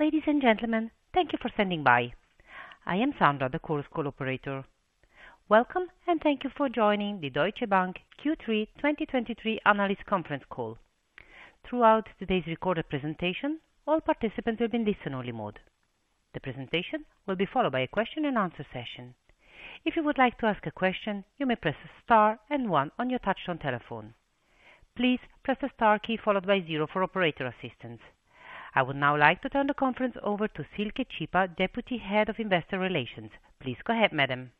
Ladies and gentlemen, thank you for standing by. I am Sandra, the Chorus Call operator. Welcome, and thank you for joining the Deutsche Bank Q3 2023 analyst conference call. Throughout today's recorded presentation, all participants will be in listen-only mode. The presentation will be followed by a question and answer session. If you would like to ask a question, you may press star and one on your touchtone telephone. Please press the star key followed by zero for operator assistance. I would now like to turn the conference over to Silke Szypa, Deputy Head of Investor Relations. Please go ahead, madam.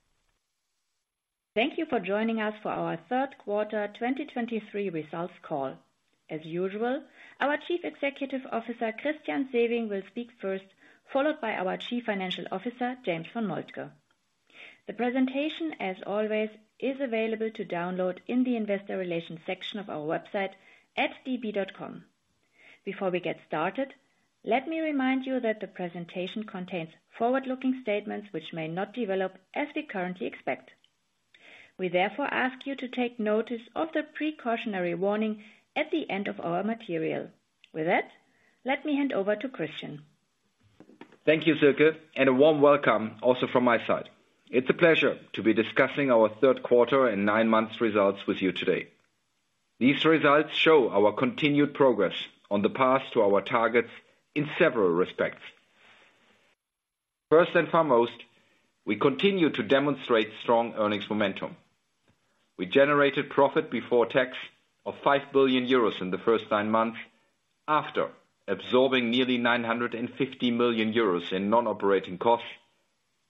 Thank you for joining us for our third quarter 2023 results call. As usual, our Chief Executive Officer, Christian Sewing, will speak first, followed by our Chief Financial Officer, James von Moltke. The presentation, as always, is available to download in the Investor Relations section of our website at db.com. Before we get started, let me remind you that the presentation contains forward-looking statements which may not develop as we currently expect. We therefore ask you to take notice of the precautionary warning at the end of our material. With that, let me hand over to Christian. Thank you, Silke, and a warm welcome also from my side. It's a pleasure to be discussing our third quarter and nine months results with you today. These results show our continued progress on the path to our targets in several respects. First and foremost, we continue to demonstrate strong earnings momentum. We generated profit before tax of 5 billion euros in the first nine months, after absorbing nearly 950 million euros in non-operating costs,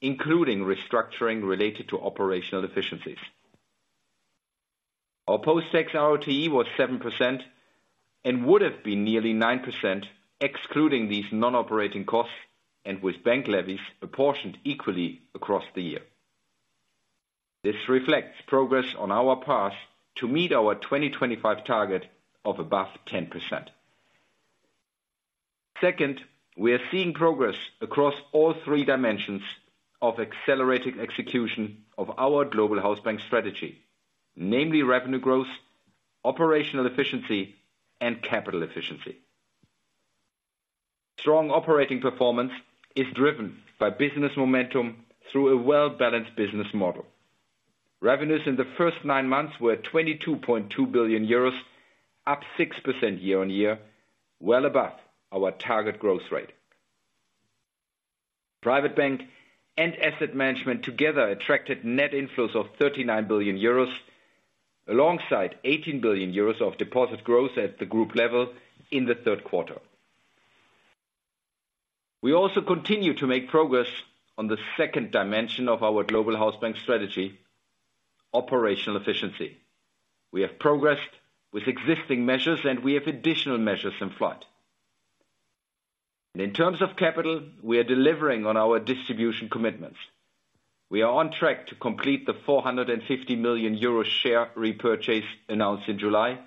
including restructuring related to operational efficiencies. Our post-tax ROTE was 7% and would have been nearly 9%, excluding these non-operating costs and with bank levies apportioned equally across the year. This reflects progress on our path to meet our 2025 target of above 10%. Second, we are seeing progress across all three dimensions of accelerated execution of our global house bank strategy, namely revenue growth, operational efficiency, and capital efficiency. Strong operating performance is driven by business momentum through a well-balanced business model. Revenues in the first nine months were 22.2 billion euros, up 6% year-on-year, well above our target growth rate. Private bank and asset management together attracted net inflows of 39 billion euros, alongside 18 billion euros of deposit growth at the group level in the third quarter. We also continue to make progress on the second dimension of our global house bank strategy, operational efficiency. We have progressed with existing measures, and we have additional measures in flight. And in terms of capital, we are delivering on our distribution commitments. We are on track to complete the 450 million euro share repurchase announced in July,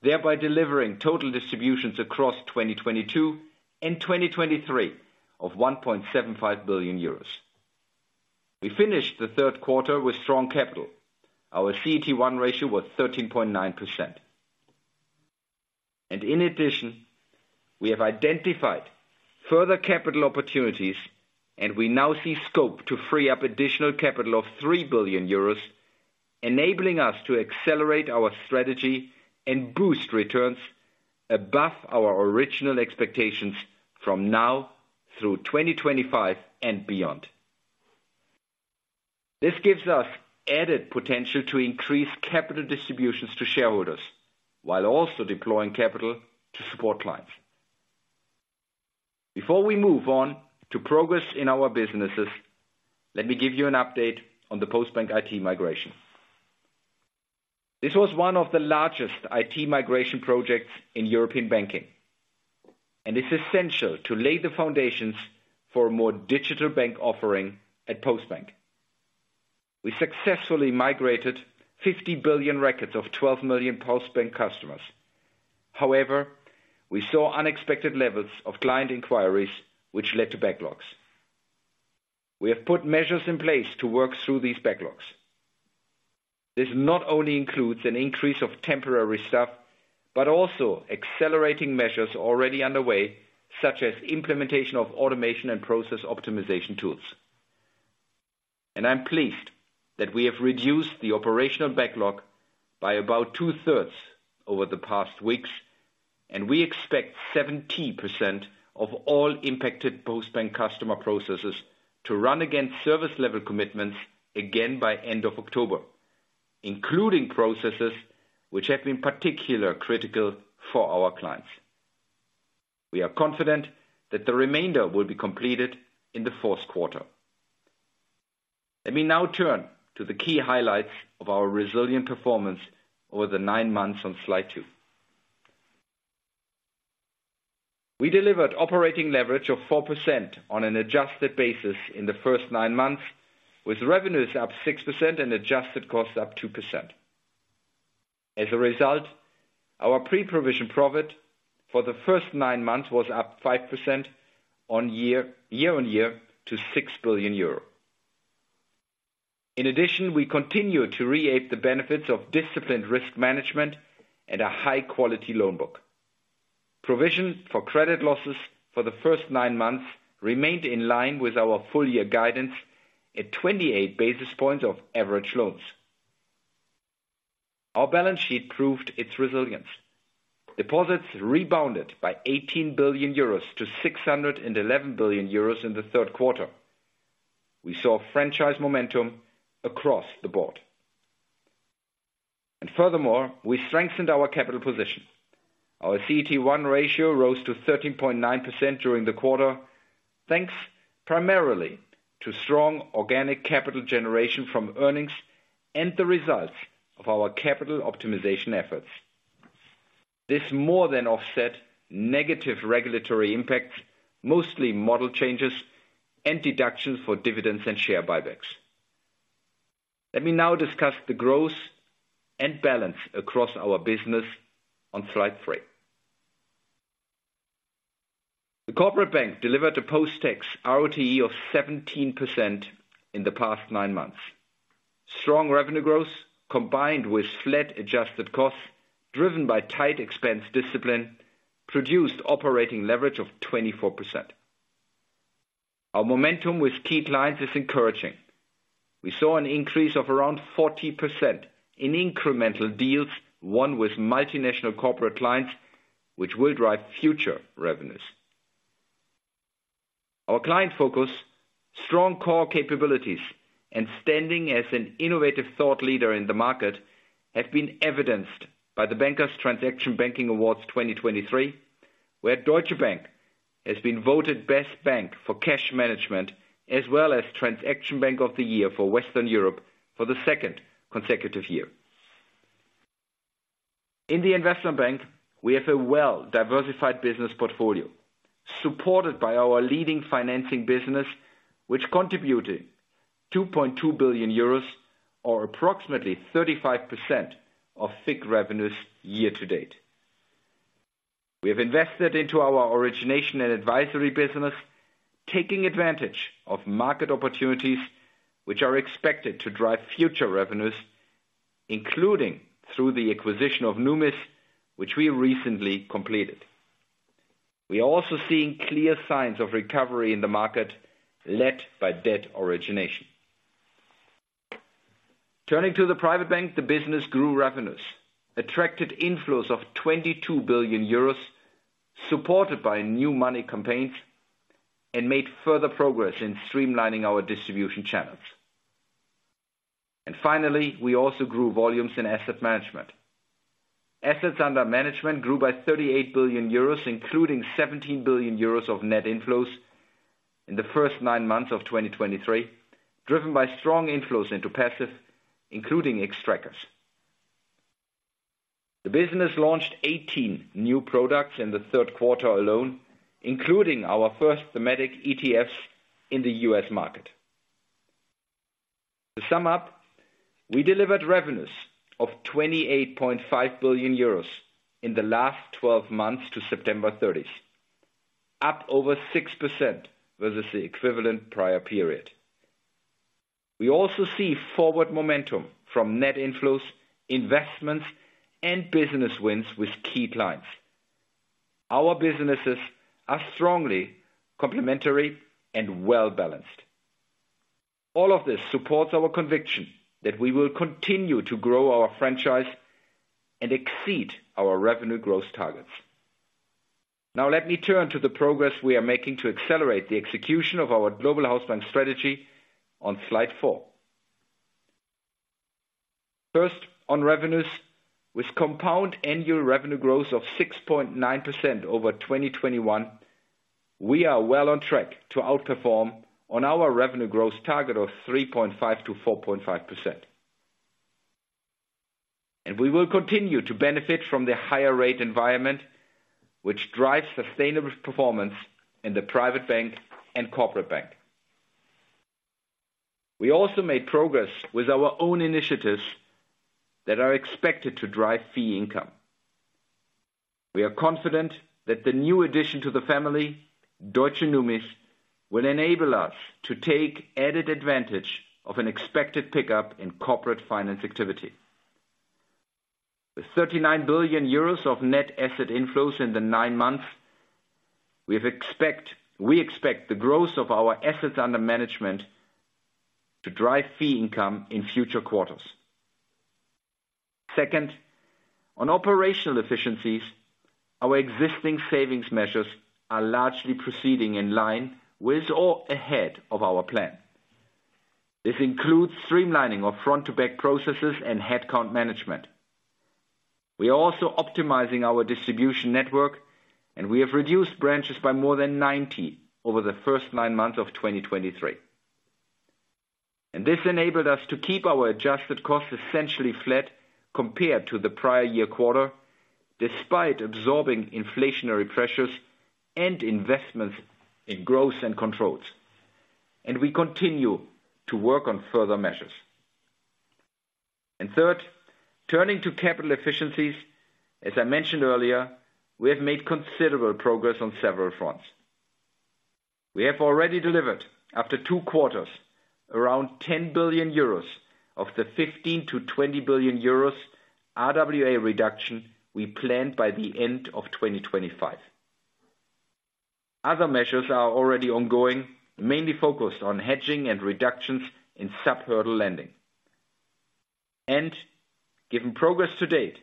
thereby delivering total distributions across 2022 and 2023 of 1.75 billion euros. We finished the third quarter with strong capital. Our CET1 ratio was 13.9%. In addition, we have identified further capital opportunities, and we now see scope to free up additional capital of 3 billion euros, enabling us to accelerate our strategy and boost returns above our original expectations from now through 2025 and beyond. This gives us added potential to increase capital distributions to shareholders, while also deploying capital to support clients. Before we move on to progress in our businesses, let me give you an update on the Postbank IT migration. This was one of the largest IT migration projects in European banking, and it's essential to lay the foundations for a more digital bank offering at Postbank. We successfully migrated 50 billion records of 12 million Postbank customers. However, we saw unexpected levels of client inquiries, which led to backlogs. We have put measures in place to work through these backlogs. This not only includes an increase of temporary staff, but also accelerating measures already underway, such as implementation of automation and process optimization tools. And I'm pleased that we have reduced the operational backlog by about two-thirds over the past weeks, and we expect 70% of all impacted Postbank customer processes to run against service level commitments again by end of October, including processes which have been particular critical for our clients. We are confident that the remainder will be completed in the fourth quarter. Let me now turn to the key highlights of our resilient performance over the nine months on slide two. We delivered operating leverage of 4% on an adjusted basis in the first nine months, with revenues up 6% and adjusted costs up 2%. As a result, our pre-provision profit for the first nine months was up 5% year-over-year to 6 billion euro. In addition, we continue to reap the benefits of disciplined risk management and a high-quality loan book. Provision for credit losses for the first nine months remained in line with our full year guidance at 28 basis points of average loans. Our balance sheet proved its resilience. Deposits rebounded by 18 billion-611 billion euros in the third quarter. We saw franchise momentum across the board. And furthermore, we strengthened our capital position. Our CET1 ratio rose to 13.9% during the quarter, thanks primarily to strong organic capital generation from earnings and the results of our capital optimization efforts. This more than offset negative regulatory impacts, mostly model changes and deductions for dividends and share buybacks. Let me now discuss the growth and balance across our business on slide three. The Corporate Bank delivered a post-tax ROTE of 17% in the past nine months. Strong revenue growth, combined with flat adjusted costs, driven by tight expense discipline, produced operating leverage of 24%. Our momentum with key clients is encouraging. We saw an increase of around 40% in incremental deals, one with multinational corporate clients, which will drive future revenues. Our client focus, strong core capabilities, and standing as an innovative thought leader in the market have been evidenced by the Bankers Transaction Banking Awards 2023, where Deutsche Bank has been voted best bank for cash management, as well as Transaction Bank of the Year for Western Europe for the second consecutive year. In the investment bank, we have a well-diversified business portfolio, supported by our leading financing business, which contributed 2.2 billion euros or approximately 35% of FICC revenues year to date. We have invested into our origination and advisory business, taking advantage of market opportunities which are expected to drive future revenues, including through the acquisition of Numis, which we recently completed. We are also seeing clear signs of recovery in the market, led by debt origination. Turning to the private bank, the business grew revenues, attracted inflows of 22 billion euros, supported by new money campaigns, and made further progress in streamlining our distribution channels. Finally, we also grew volumes in asset management. Assets under management grew by 38 billion euros, including 17 billion euros of net inflows in the first nine months of 2023, driven by strong inflows into passive, including Xtrackers. The business launched 18 new products in the third quarter alone, including our first thematic ETFs in the U.S. market. To sum up, we delivered revenues of 28.5 billion euros in the last 12 months to September 30, up over 6% versus the equivalent prior period. We also see forward momentum from net inflows, investments, and business wins with key clients. Our businesses are strongly complementary and well-balanced. All of this supports our conviction that we will continue to grow our franchise and exceed our revenue growth targets. Now, let me turn to the progress we are making to accelerate the execution of our global house bank strategy on slide four. First, on revenues, with compound annual revenue growth of 6.9% over 2021, we are well on track to outperform on our revenue growth target of 3.5%-4.5%. We will continue to benefit from the higher rate environment, which drives sustainable performance in the private bank and Corporate Bank. We also made progress with our own initiatives that are expected to drive fee income. We are confident that the new addition to the family, Deutsche Numis, will enable us to take added advantage of an expected pickup in corporate finance activity. With 39 billion euros of net asset inflows in the nine months, we expect the growth of our assets under management to drive fee income in future quarters. Second, on operational efficiencies, our existing savings measures are largely proceeding in line with or ahead of our plan. This includes streamlining of front-to-back processes and headcount management. We are also optimizing our distribution network, and we have reduced branches by more than 90 over the first nine months of 2023. This enabled us to keep our adjusted costs essentially flat compared to the prior year quarter, despite absorbing inflationary pressures and investments in growth and controls. We continue to work on further measures. Third, turning to capital efficiencies, as I mentioned earlier, we have made considerable progress on several fronts. We have already delivered, after two quarters, around 10 billion euros of the 15 billion-20 billion euros RWA reduction we planned by the end of 2025. Other measures are already ongoing, mainly focused on hedging and reductions in sub-hurdle lending. Given progress to date,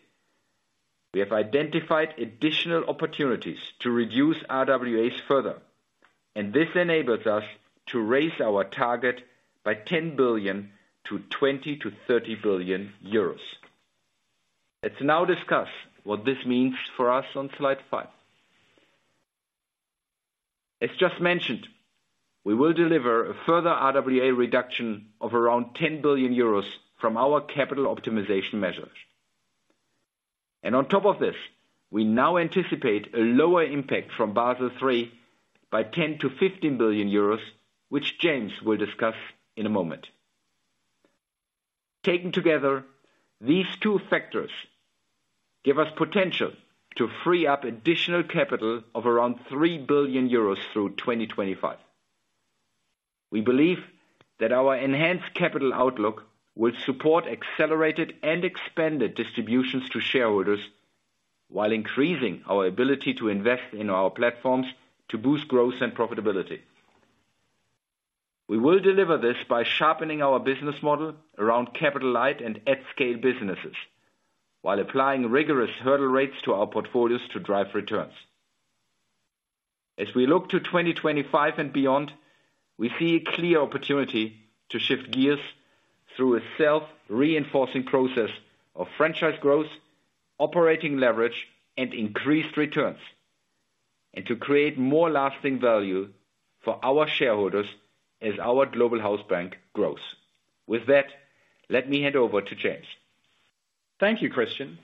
we have identified additional opportunities to reduce RWAs further, and this enables us to raise our target by 10 billion-20 billion-EUR 30 billion. Let's now discuss what this means for us on slide five. As just mentioned, we will deliver a further RWA reduction of around 10 billion euros from our capital optimization measures. On top of this, we now anticipate a lower impact from Basel III by 10 billion-15 billion euros, which James will discuss in a moment. Taken together, these two factors give us potential to free up additional capital of around 3 billion euros through 2025. We believe that our enhanced capital outlook will support accelerated and expanded distributions to shareholders, while increasing our ability to invest in our platforms to boost growth and profitability. We will deliver this by sharpening our business model around capital light and at scale businesses, while applying rigorous hurdle rates to our portfolios to drive returns. As we look to 2025 and beyond, we see a clear opportunity to shift gears through a self-reinforcing process of franchise growth, operating leverage, and increased returns, and to create more lasting value for our shareholders as our global house bank grows. With that, let me hand over to James. Thank you, Christian.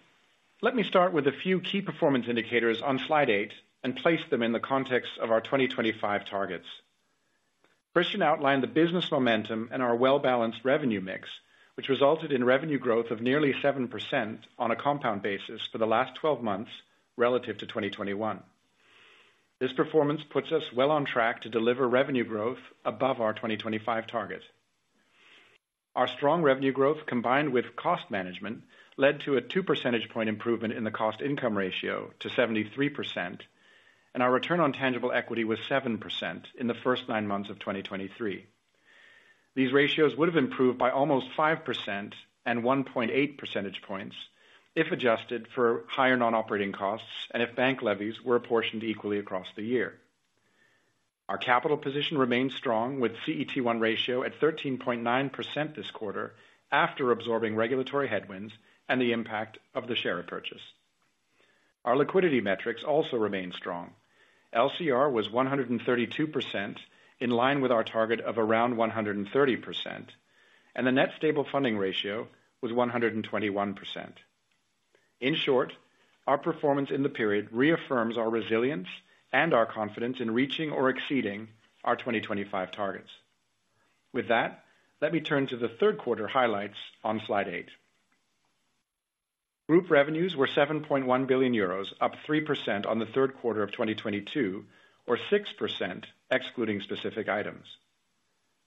Let me start with a few key performance indicators on slide eight and place them in the context of our 2025 targets. Christian outlined the business momentum and our well-balanced revenue mix, which resulted in revenue growth of nearly 7% on a compound basis for the last 12 months relative to 2021. This performance puts us well on track to deliver revenue growth above our 2025 target. Our strong revenue growth, combined with cost management, led to a 2 percentage point improvement in the cost income ratio to 73%, and our return on tangible equity was 7% in the first nine months of 2023. These ratios would have improved by almost 5% and 1.8 percentage points if adjusted for higher non-operating costs and if bank levies were apportioned equally across the year. Our capital position remains strong, with CET1 ratio at 13.9% this quarter, after absorbing regulatory headwinds and the impact of the share purchase. Our liquidity metrics also remain strong. LCR was 132%, in line with our target of around 130%, and the net stable funding ratio was 121%. In short, our performance in the period reaffirms our resilience and our confidence in reaching or exceeding our 2025 targets. With that, let me turn to the third quarter highlights on slide eight. Group revenues were 7.1 billion euros, up 3% on the third quarter of 2022, or 6% excluding specific items.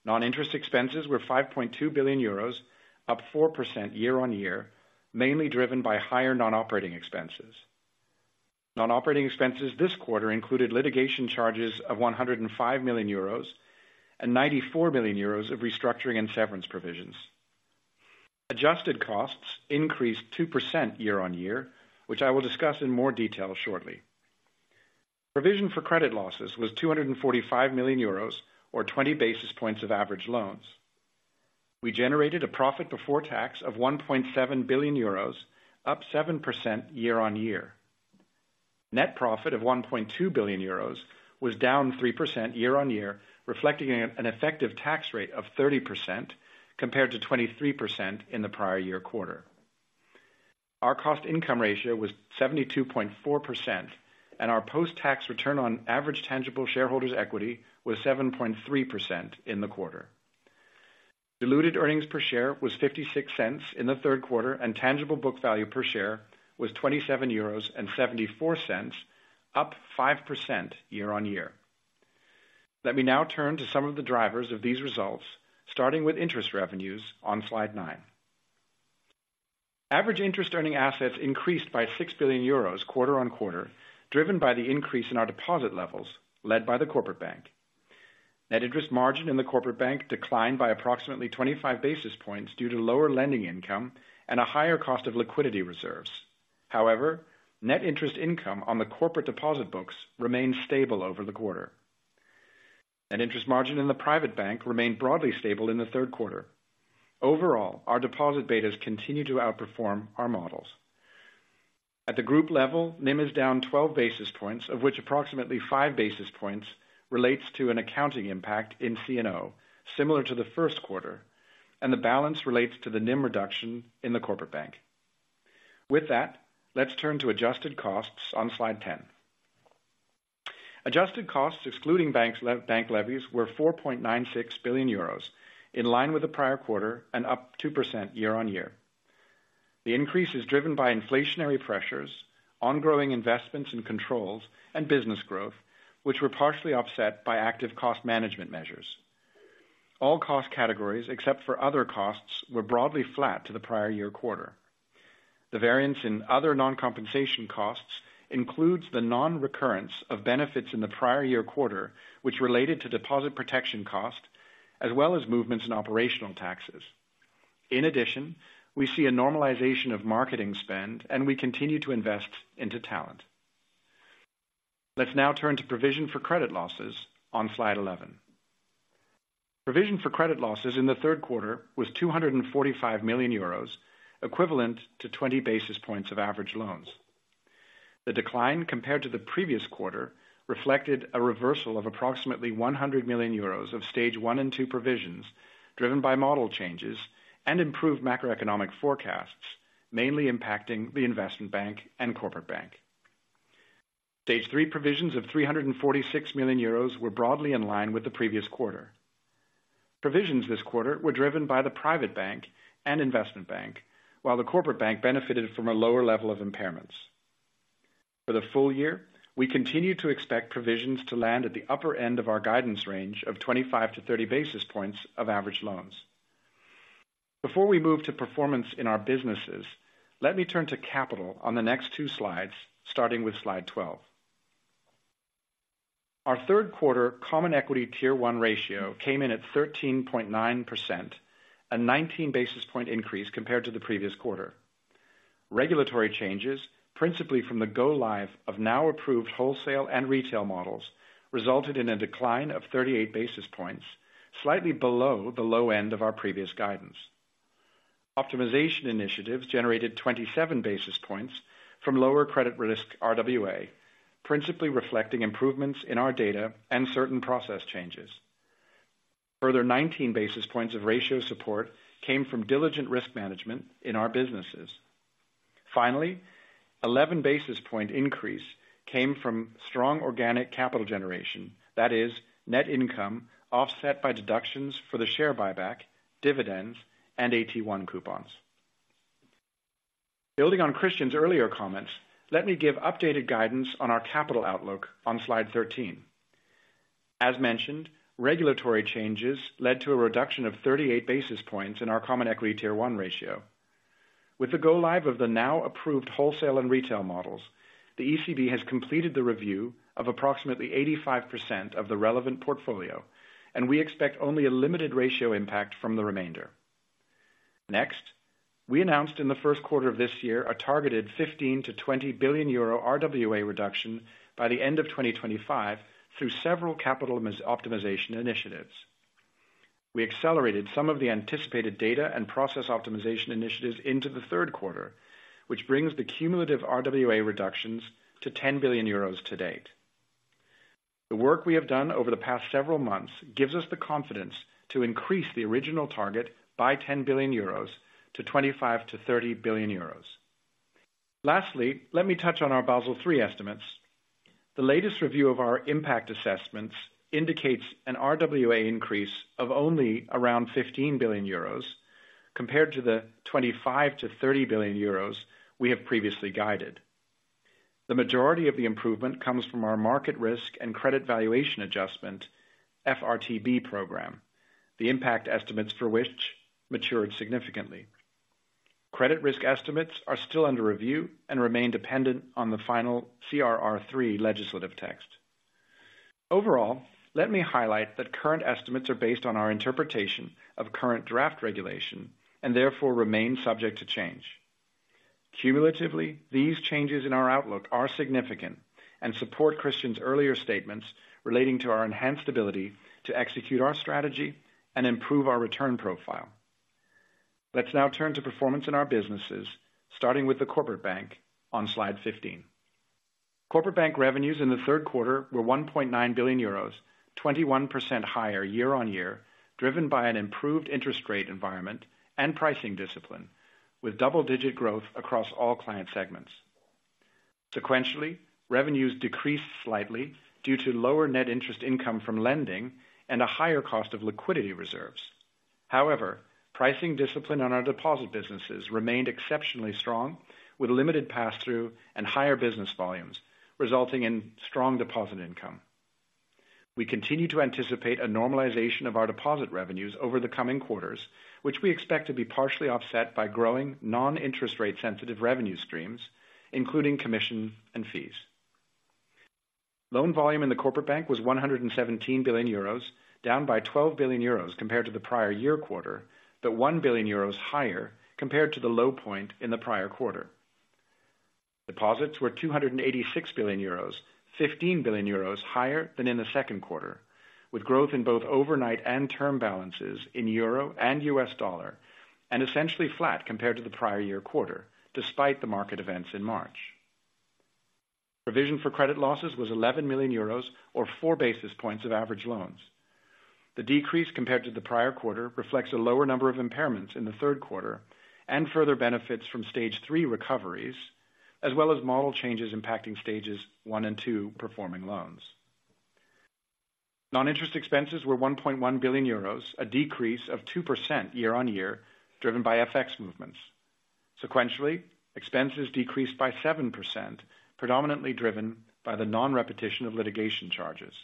Non-interest expenses were 5.2 billion euros, up 4% year-on-year, mainly driven by higher non-operating expenses. Non-operating expenses this quarter included litigation charges of 105 million euros and 94 million euros of restructuring and severance provisions. Adjusted costs increased 2% year-on-year, which I will discuss in more detail shortly. Provision for credit losses was 245 million euros, or 20 basis points of average loans. We generated a profit before tax of 1.7 billion euros, up 7% year-on-year. Net profit of 1.2 billion euros was down 3% year-on-year, reflecting an effective tax rate of 30%, compared to 23% in the prior year quarter. Our cost income ratio was 72.4%, and our post-tax return on average tangible shareholders equity was 7.3% in the quarter. Diluted earnings per share was 0.56 in the third quarter, and tangible book value per share was 27.74 euros, up 5% year-on-year. Let me now turn to some of the drivers of these results, starting with interest revenues on slide nine. Average interest earning assets increased by 6 billion euros quarter-on-quarter, driven by the increase in our deposit levels, led by the Corporate Bank. Net interest margin in the Corporate Bank declined by approximately 25 basis points due to lower lending income and a higher cost of liquidity reserves. However, net interest income on the corporate deposit books remained stable over the quarter. Net interest margin in the private bank remained broadly stable in the third quarter. Overall, our deposit betas continue to outperform our models. At the group level, NIM is down 12 basis points, of which approximately 5 basis points relates to an accounting impact in CNO, similar to the first quarter, and the balance relates to the NIM reduction in the Corporate Bank. With that, let's turn to adjusted costs on slide 10. Adjusted costs, excluding bank levies, were 4.96 billion euros, in line with the prior quarter and up 2% year-on-year. The increase is driven by inflationary pressures, ongoing investments and controls, and business growth, which were partially offset by active cost management measures. All cost categories, except for other costs, were broadly flat to the prior year quarter. The variance in other non-compensation costs includes the non-recurrence of benefits in the prior year quarter, which related to deposit protection cost, as well as movements in operational taxes. In addition, we see a normalization of marketing spend, and we continue to invest into talent. Let's now turn to provision for credit losses on slide 11. Provision for credit losses in the third quarter was 245 million euros, equivalent to 20 basis points of average loans. The decline compared to the previous quarter reflected a reversal of approximately 100 million euros of stage one and two provisions, driven by model changes and improved macroeconomic forecasts, mainly impacting the investment bank and Corporate Bank. Stage three provisions of 346 million euros were broadly in line with the previous quarter. Provisions this quarter were driven by the private bank and investment bank, while the Corporate Bank benefited from a lower level of impairments. For the full year, we continue to expect provisions to land at the upper end of our guidance range of 25-30 basis points of average loans. Before we move to performance in our businesses, let me turn to capital on the next two slides, starting with slide 12. Our third quarter Common Equity Tier 1 ratio came in at 13.9%, a 19 basis point increase compared to the previous quarter. Regulatory changes, principally from the go live of now approved wholesale and retail models, resulted in a decline of 38 basis points, slightly below the low end of our previous guidance. Optimization initiatives generated 27 basis points from lower credit risk RWA, principally reflecting improvements in our data and certain process changes. Further, 19 basis points of ratio support came from diligent risk management in our businesses. Finally, 11 basis point increase came from strong organic capital generation, that is net income, offset by deductions for the share buyback, dividends, and AT1 coupons. Building on Christian's earlier comments, let me give updated guidance on our capital outlook on slide 13. As mentioned, regulatory changes led to a reduction of 38 basis points in our common equity tier one ratio. With the go live of the now approved wholesale and retail models, the ECB has completed the review of approximately 85% of the relevant portfolio, and we expect only a limited ratio impact from the remainder. Next, we announced in the first quarter of this year a targeted 15 billion-20 billion euro RWA reduction by the end of 2025 through several capital optimization initiatives. We accelerated some of the anticipated data and process optimization initiatives into the third quarter, which brings the cumulative RWA reductions to 10 billion euros to date. The work we have done over the past several months gives us the confidence to increase the original target by 10 billion euros to 25 billion-30 billion euros. Lastly, let me touch on our Basel III estimates. The latest review of our impact assessments indicates an RWA increase of only around 15 billion euros, compared to the 25 billion-30 billion euros we have previously guided. The majority of the improvement comes from our market risk and credit valuation adjustment, FRTB program, the impact estimates for which matured significantly. Credit risk estimates are still under review and remain dependent on the final CRR III legislative text. Overall, let me highlight that current estimates are based on our interpretation of current draft regulation and therefore remain subject to change. Cumulatively, these changes in our outlook are significant and support Christian's earlier statements relating to our enhanced ability to execute our strategy and improve our return profile. Let's now turn to performance in our businesses, starting with the Corporate Bank on slide 15. Corporate Bank revenues in the third quarter were 1.9 billion euros, 21% higher year-on-year, driven by an improved interest rate environment and pricing discipline, with double-digit growth across all client segments. Sequentially, revenues decreased slightly due to lower net interest income from lending and a higher cost of liquidity reserves. However, pricing discipline on our deposit businesses remained exceptionally strong, with limited pass-through and higher business volumes, resulting in strong deposit income. We continue to anticipate a normalization of our deposit revenues over the coming quarters, which we expect to be partially offset by growing non-interest rate sensitive revenue streams, including commission and fees. Loan volume in the Corporate Bank was 117 billion euros, down by 12 billion euros compared to the prior year quarter, but 1 billion euros higher compared to the low point in the prior quarter. Deposits were 286 billion euros, 15 billion euros higher than in the second quarter, with growth in both overnight and term balances in euro and U.S. dollar, and essentially flat compared to the prior year quarter, despite the market events in March. Provision for credit losses was 11 million euros or 4 basis points of average loans. The decrease compared to the prior quarter reflects a lower number of impairments in the third quarter and further benefits from Stage 3 recoveries, as well as model changes impacting Stages 1 and 2 performing loans. Non-interest expenses were 1.1 billion euros, a decrease of 2% year-on-year, driven by FX movements. Sequentially, expenses decreased by 7%, predominantly driven by the non-repetition of litigation charges.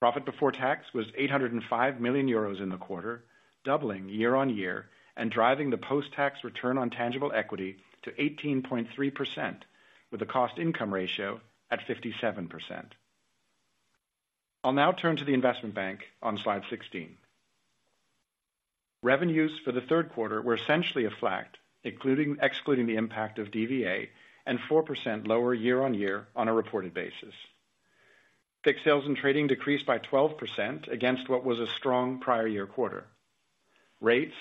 Profit before tax was 805 million euros in the quarter, doubling year-on-year and driving the post-tax return on tangible equity to 18.3%, with a cost income ratio at 57%. I'll now turn to the investment bank on slide 16. Revenues for the third quarter were essentially flat, excluding the impact of DVA, and 4% lower year-on-year on a reported basis. Fixed sales and trading decreased by 12% against what was a strong prior year quarter. Rates,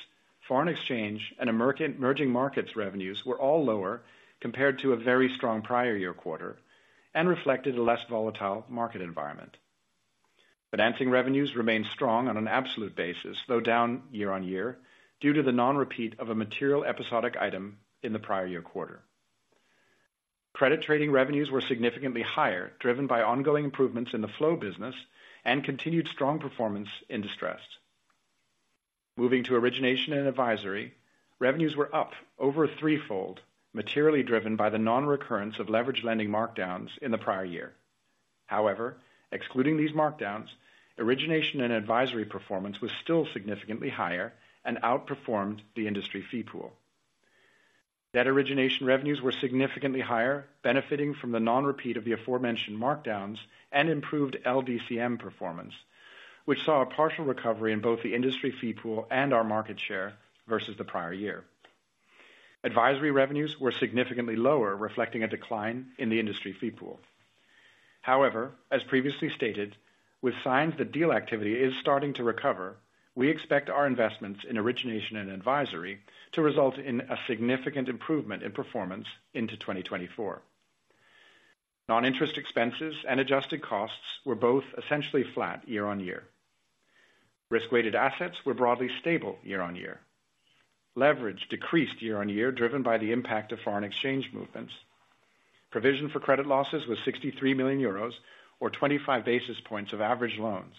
foreign exchange, and American emerging markets revenues were all lower compared to a very strong prior year quarter and reflected a less volatile market environment. Financing revenues remained strong on an absolute basis, though down year-on-year, due to the non-repeat of a material episodic item in the prior year quarter. Credit trading revenues were significantly higher, driven by ongoing improvements in the flow business and continued strong performance in distressed. Moving to origination and advisory, revenues were up over threefold, materially driven by the non-recurrence of leverage lending markdowns in the prior year. However, excluding these markdowns, origination and advisory performance was still significantly higher and outperformed the industry fee pool. Debt origination revenues were significantly higher, benefiting from the non-repeat of the aforementioned markdowns and improved LDCM performance, which saw a partial recovery in both the industry fee pool and our market share versus the prior year. Advisory revenues were significantly lower, reflecting a decline in the industry fee pool. However, as previously stated, with signs that deal activity is starting to recover, we expect our investments in origination and advisory to result in a significant improvement in performance into 2024. Non-interest expenses and adjusted costs were both essentially flat year-on-year. Risk-weighted assets were broadly stable year-on-year. Leverage decreased year-on-year, driven by the impact of foreign exchange movements. Provision for credit losses was 63 million euros, or 25 basis points of average loans.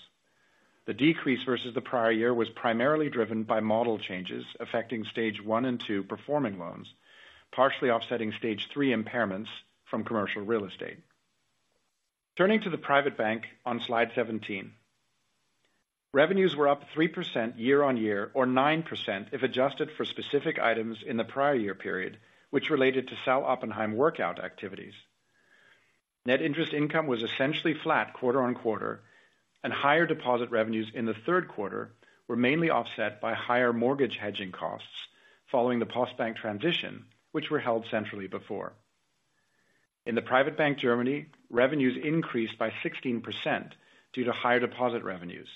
The decrease versus the prior year was primarily driven by model changes affecting Stage one and two performing loans, partially offsetting Stage three impairments from commercial real estate. Turning to the private bank on slide 17. Revenues were up 3% year-on-year or 9% if adjusted for specific items in the prior year period, which related to Sal. Oppenheim workout activities. Net interest income was essentially flat quarter-on-quarter, and higher deposit revenues in the third quarter were mainly offset by higher mortgage hedging costs following the Postbank transition, which were held centrally before. In the private bank, Germany, revenues increased by 16% due to higher deposit revenues.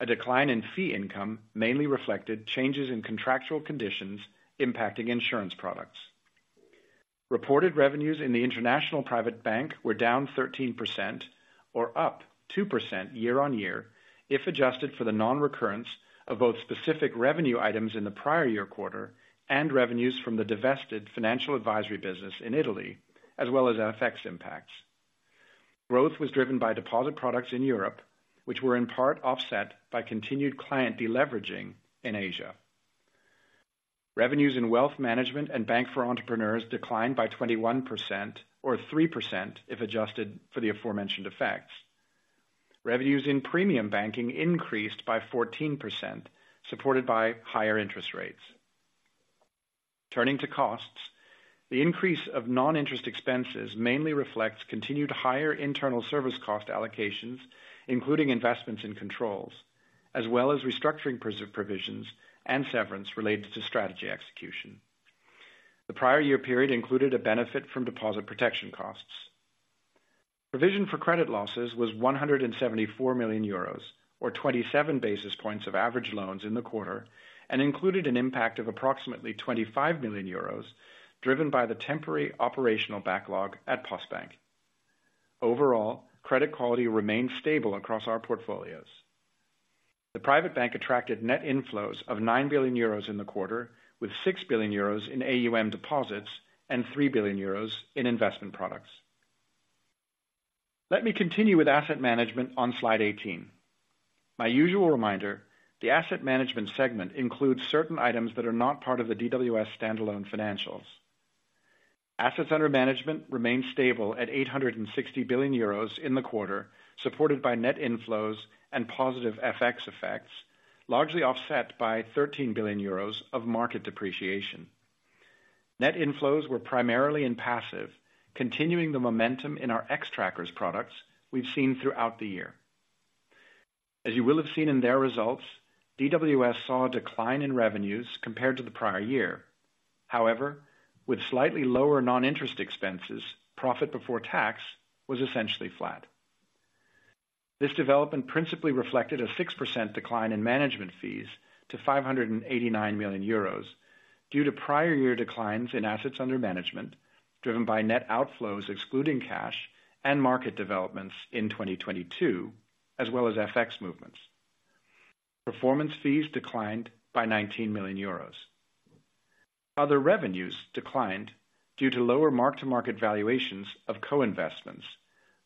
A decline in fee income mainly reflected changes in contractual conditions impacting insurance products. Reported revenues in the international private bank were down 13% or up 2% year-on-year, if adjusted for the non-recurrence of both specific revenue items in the prior year quarter and revenues from the divested financial advisory business in Italy, as well as FX impacts. Growth was driven by deposit products in Europe, which were in part offset by continued client deleveraging in Asia. Revenues in wealth management and Bank for Entrepreneurs declined by 21% or 3%, if adjusted for the aforementioned effects. Revenues in Premium Banking increased by 14%, supported by higher interest rates. Turning to costs, the increase of non-interest expenses mainly reflects continued higher internal service cost allocations, including investments in controls, as well as restructuring provisions and severance related to strategy execution. The prior year period included a benefit from deposit protection costs. Provision for credit losses was 174 million euros, or 27 basis points of average loans in the quarter, and included an impact of approximately 25 million euros, driven by the temporary operational backlog at Postbank. Overall, credit quality remained stable across our portfolios. The private bank attracted net inflows of 9 billion euros in the quarter, with 6 billion euros in AUM deposits and 3 billion euros in investment products. Let me continue with asset management on slide 18. My usual reminder, the asset management segment includes certain items that are not part of the DWS standalone financials. Assets under management remained stable at 860 billion euros in the quarter, supported by net inflows and positive FX effects, largely offset by 13 billion euros of market depreciation. Net inflows were primarily in passive, continuing the momentum in our Xtrackers products we've seen throughout the year. As you will have seen in their results, DWS saw a decline in revenues compared to the prior year. However, with slightly lower non-interest expenses, profit before tax was essentially flat. This development principally reflected a 6% decline in management fees to 589 million euros, due to prior year declines in assets under management, driven by net outflows excluding cash and market developments in 2022, as well as FX movements. Performance fees declined by 19 million euros. Other revenues declined due to lower mark-to-market valuations of co-investments,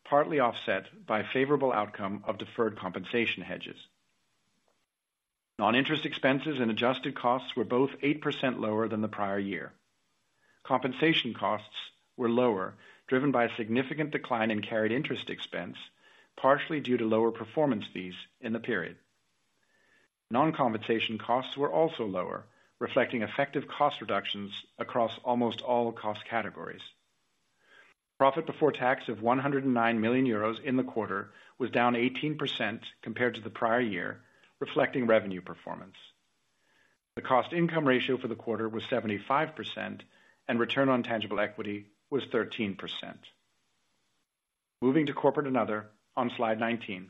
partly offset by favorable outcome of deferred compensation hedges. Non-interest expenses and adjusted costs were both 8% lower than the prior year. Compensation costs were lower, driven by a significant decline in carried interest expense, partially due to lower performance fees in the period. Non-compensation costs were also lower, reflecting effective cost reductions across almost all cost categories. Profit before tax of 109 million euros in the quarter was down 18% compared to the prior year, reflecting revenue performance. The cost income ratio for the quarter was 75%, and return on tangible equity was 13%. Moving to Corporate and Other on slide 19.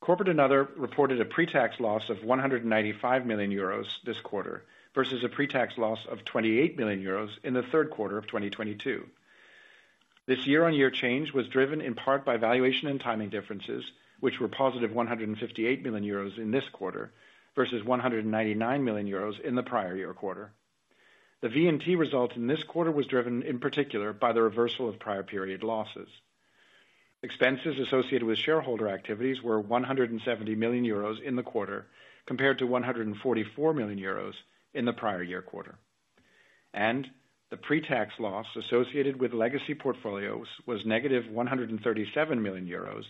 Corporate and Other reported a pre-tax loss of 195 million euros this quarter, versus a pre-tax loss of 28 million euros in the third quarter of 2022. This year-on-year change was driven in part by valuation and timing differences, which were positive 158 million euros in this quarter, versus 199 million euros in the prior year quarter. The VNT result in this quarter was driven, in particular, by the reversal of prior period losses. Expenses associated with shareholder activities were 170 million euros in the quarter, compared to 144 million euros in the prior year quarter. The pre-tax loss associated with legacy portfolios was 137 million euros,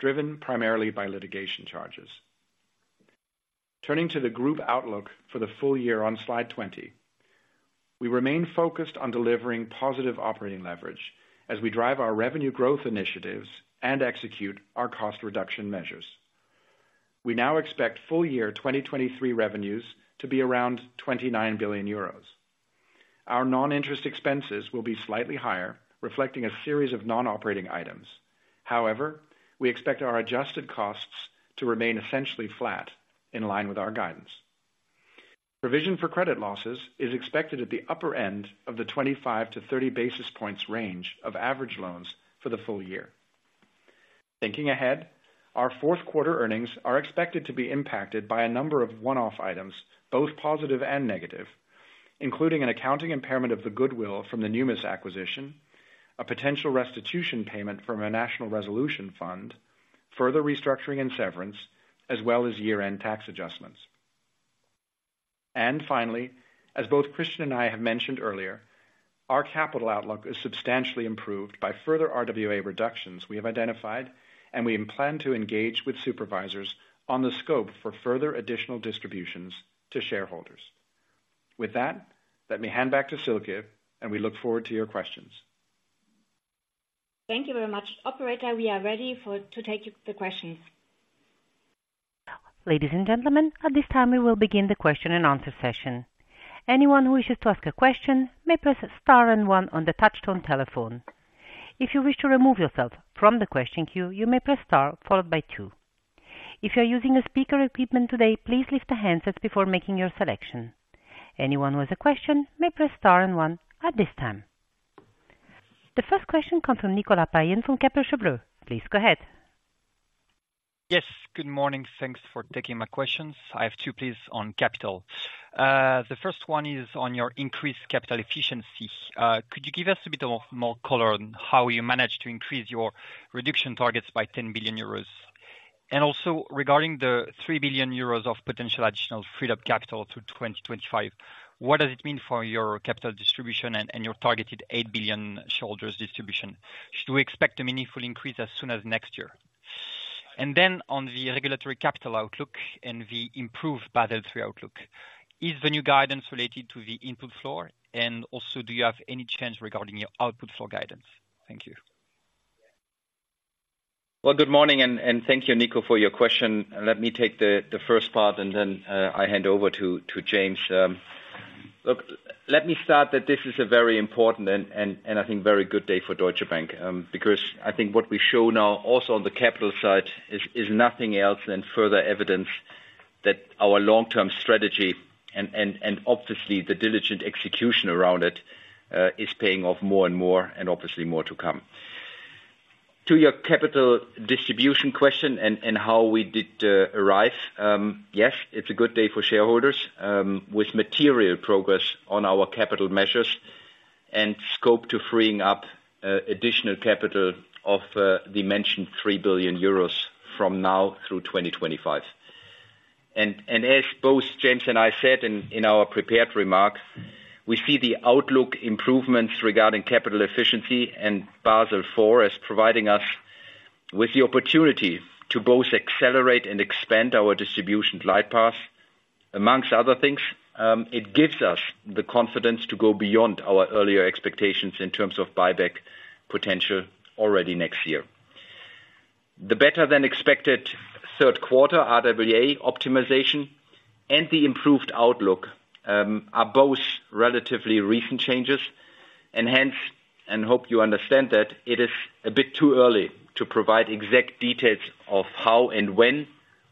driven primarily by litigation charges. Turning to the group outlook for the full year on slide 20. We remain focused on delivering positive operating leverage as we drive our revenue growth initiatives and execute our cost reduction measures. We now expect full year 2023 revenues to be around 29 billion euros. Our non-interest expenses will be slightly higher, reflecting a series of non-operating items. However, we expect our adjusted costs to remain essentially flat, in line with our guidance. Provision for credit losses is expected at the upper end of the 25-30 basis points range of average loans for the full year. Thinking ahead, our fourth quarter earnings are expected to be impacted by a number of one-off items, both positive and negative, including an accounting impairment of the goodwill from the Numis acquisition, a potential restitution payment from a national resolution fund, further restructuring and severance, as well as year-end tax adjustments. And finally, as both Christian and I have mentioned earlier, our capital outlook is substantially improved by further RWA reductions we have identified, and we plan to engage with supervisors on the scope for further additional distributions to shareholders. With that, let me hand back to Silke, and we look forward to your questions. Thank you very much. Operator, we are ready to take the questions. Ladies and gentlemen, at this time, we will begin the question and answer session. Anyone who wishes to ask a question may press star and one on the touchtone telephone. If you wish to remove yourself from the question queue, you may press star followed by two. If you are using a speaker equipment today, please lift the handsets before making your selection. Anyone with a question may press star and one at this time. The first question comes from Nicolas Payen from Kepler Cheuvreux. Please go ahead. Yes, good morning. Thanks for taking my questions. I have two, please, on capital. The first one is on your increased capital efficiency. Could you give us a bit of more color on how you managed to increase your reduction targets by 10 billion euros? And also regarding the 3 billion euros of potential additional freed up capital to 2025, what does it mean for your capital distribution and, and your targeted 8 billion shareholders distribution? Should we expect a meaningful increase as soon as next year? And then on the regulatory capital outlook and the improved Basel III outlook, is the new guidance related to the input floor? And also, do you have any change regarding your output floor guidance? Thank you. Well, good morning, and thank you, Nico, for your question. Let me take the first part, and then I hand over to James. Look, let me start that this is a very important and I think very good day for Deutsche Bank, because I think what we show now, also on the capital side, is nothing else than further evidence that our long-term strategy and obviously the diligent execution around it is paying off more and more, and obviously more to come. To your capital distribution question and how we did arrive, yes, it's a good day for shareholders, with material progress on our capital measures and scope to freeing up additional capital of the mentioned 3 billion euros from now through 2025. And as both James and I said in our prepared remarks, we see the outlook improvements regarding capital efficiency and Basel IV as providing us with the opportunity to both accelerate and expand our distribution glide path. Among other things, it gives us the confidence to go beyond our earlier expectations in terms of buyback potential already next year. The better-than-expected third quarter RWA optimization and the improved outlook are both relatively recent changes, and hence, I hope you understand that it is a bit too early to provide exact details of how and when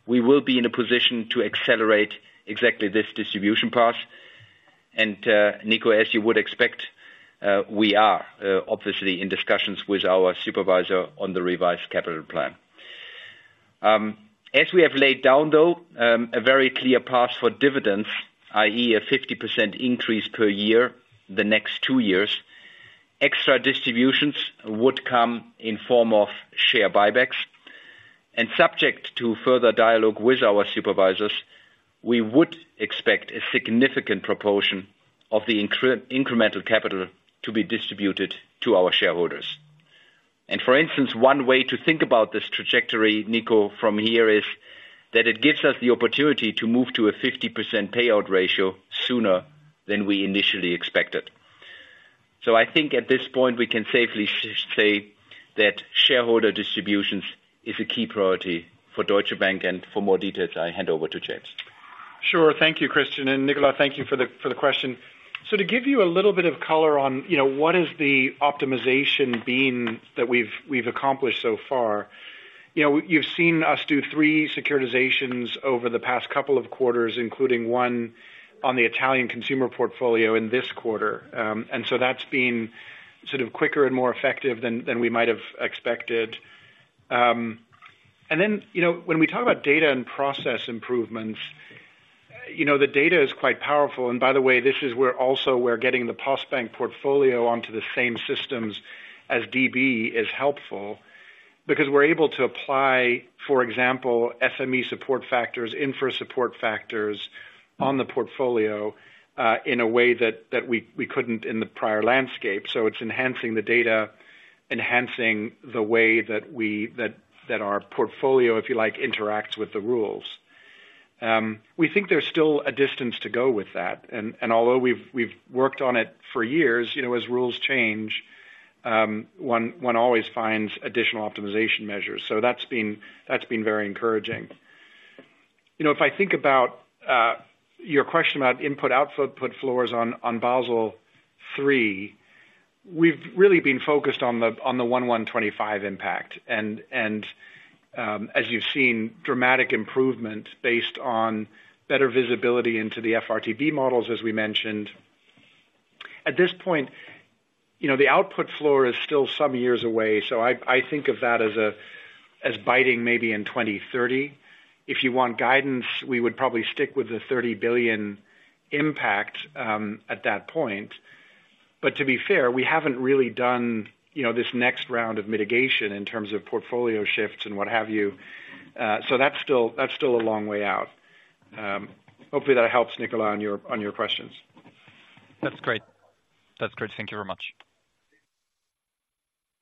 we will be in a position to accelerate exactly this distribution path. And, Nico, as you would expect, we are obviously in discussions with our supervisor on the revised capital plan. As we have laid down though, a very clear path for dividends, i.e., a 50% increase per year, the next two years, extra distributions would come in form of share buybacks, and subject to further dialogue with our supervisors, we would expect a significant proportion of the incremental capital to be distributed to our shareholders. And for instance, one way to think about this trajectory, Nico, from here, is that it gives us the opportunity to move to a 50% payout ratio sooner than we initially expected. So I think at this point, we can safely say that shareholder distributions is a key priority for Deutsche Bank, and for more details, I hand over to James. Sure. Thank you, Christian, and Nicolas, thank you for the question. So to give you a little bit of color on, you know, what is the optimization being that we've accomplished so far, you know, you've seen us do three securitizations over the past couple of quarters, including one on the Italian consumer portfolio in this quarter. And so that's been sort of quicker and more effective than we might have expected. And then, you know, when we talk about data and process improvements, you know, the data is quite powerful, and by the way, this is also where getting the Postbank portfolio onto the same systems as DB is helpful because we're able to apply, for example, SME support factors, infra support factors on the portfolio, in a way that we couldn't in the prior landscape. So it's enhancing the data, enhancing the way that we - that our portfolio, if you like, interacts with the rules. We think there's still a distance to go with that. And although we've worked on it for years, you know, as rules change, one always finds additional optimization measures. So that's been very encouraging. You know, if I think about your question about input, output floors on Basel III, we've really been focused on the 125 impact. And as you've seen, dramatic improvement based on better visibility into the FRTB models, as we mentioned. At this point, you know, the output floor is still some years away, so I think of that as biting maybe in 2030. If you want guidance, we would probably stick with the 30 billion impact at that point. But to be fair, we haven't really done, you know, this next round of mitigation in terms of portfolio shifts and what have you. So that's still, that's still a long way out. Hopefully that helps, Nicolas, on your, on your questions. That's great. That's great. Thank you very much.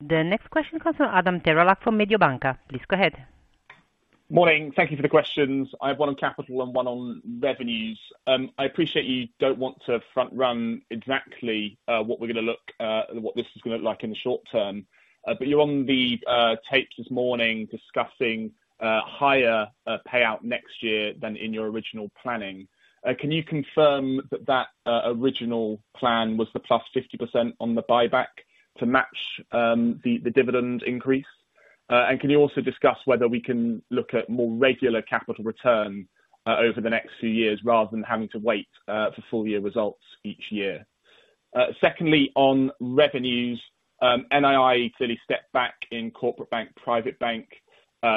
The next question comes from Adam Terelak from Mediobanca. Please go ahead. Morning. Thank you for the questions. I have one on capital and one on revenues. I appreciate you don't want to front run exactly what this is gonna look like in the short term. But you're on the tapes this morning discussing higher payout next year than in your original planning. Can you confirm that that original plan was the plus 50% on the buyback to match the dividend increase? And can you also discuss whether we can look at more regular capital return over the next few years, rather than having to wait for full year results each year? Secondly, on revenues, NII fairly stepped back in Corporate Bank, Private Bank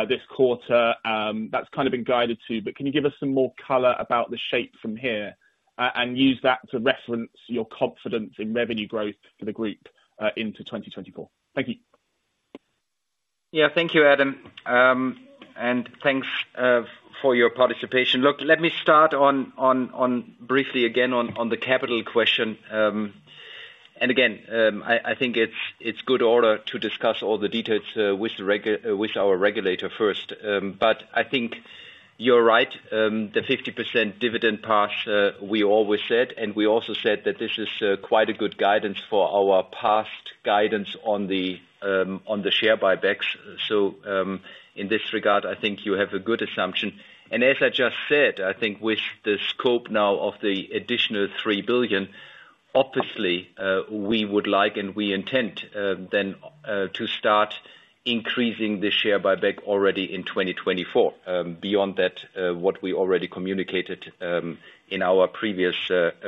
this quarter. That's kind of been guided to, but can you give us some more color about the shape from here, and use that to reference your confidence in revenue growth for the group, into 2024? Thank you. Yeah. Thank you, Adam. And thanks for your participation. Look, let me start on briefly again on the capital question. And again, I think it's good order to discuss all the details with our regulator first. But I think you're right. The 50% dividend part, we always said, and we also said that this is quite a good guidance for our past guidance on the share buybacks. So, in this regard, I think you have a good assumption. As I just said, I think with the scope now of the additional 3 billion, obviously, we would like, and we intend, then, to start increasing the share buyback already in 2024, beyond that, what we already communicated, in our previous,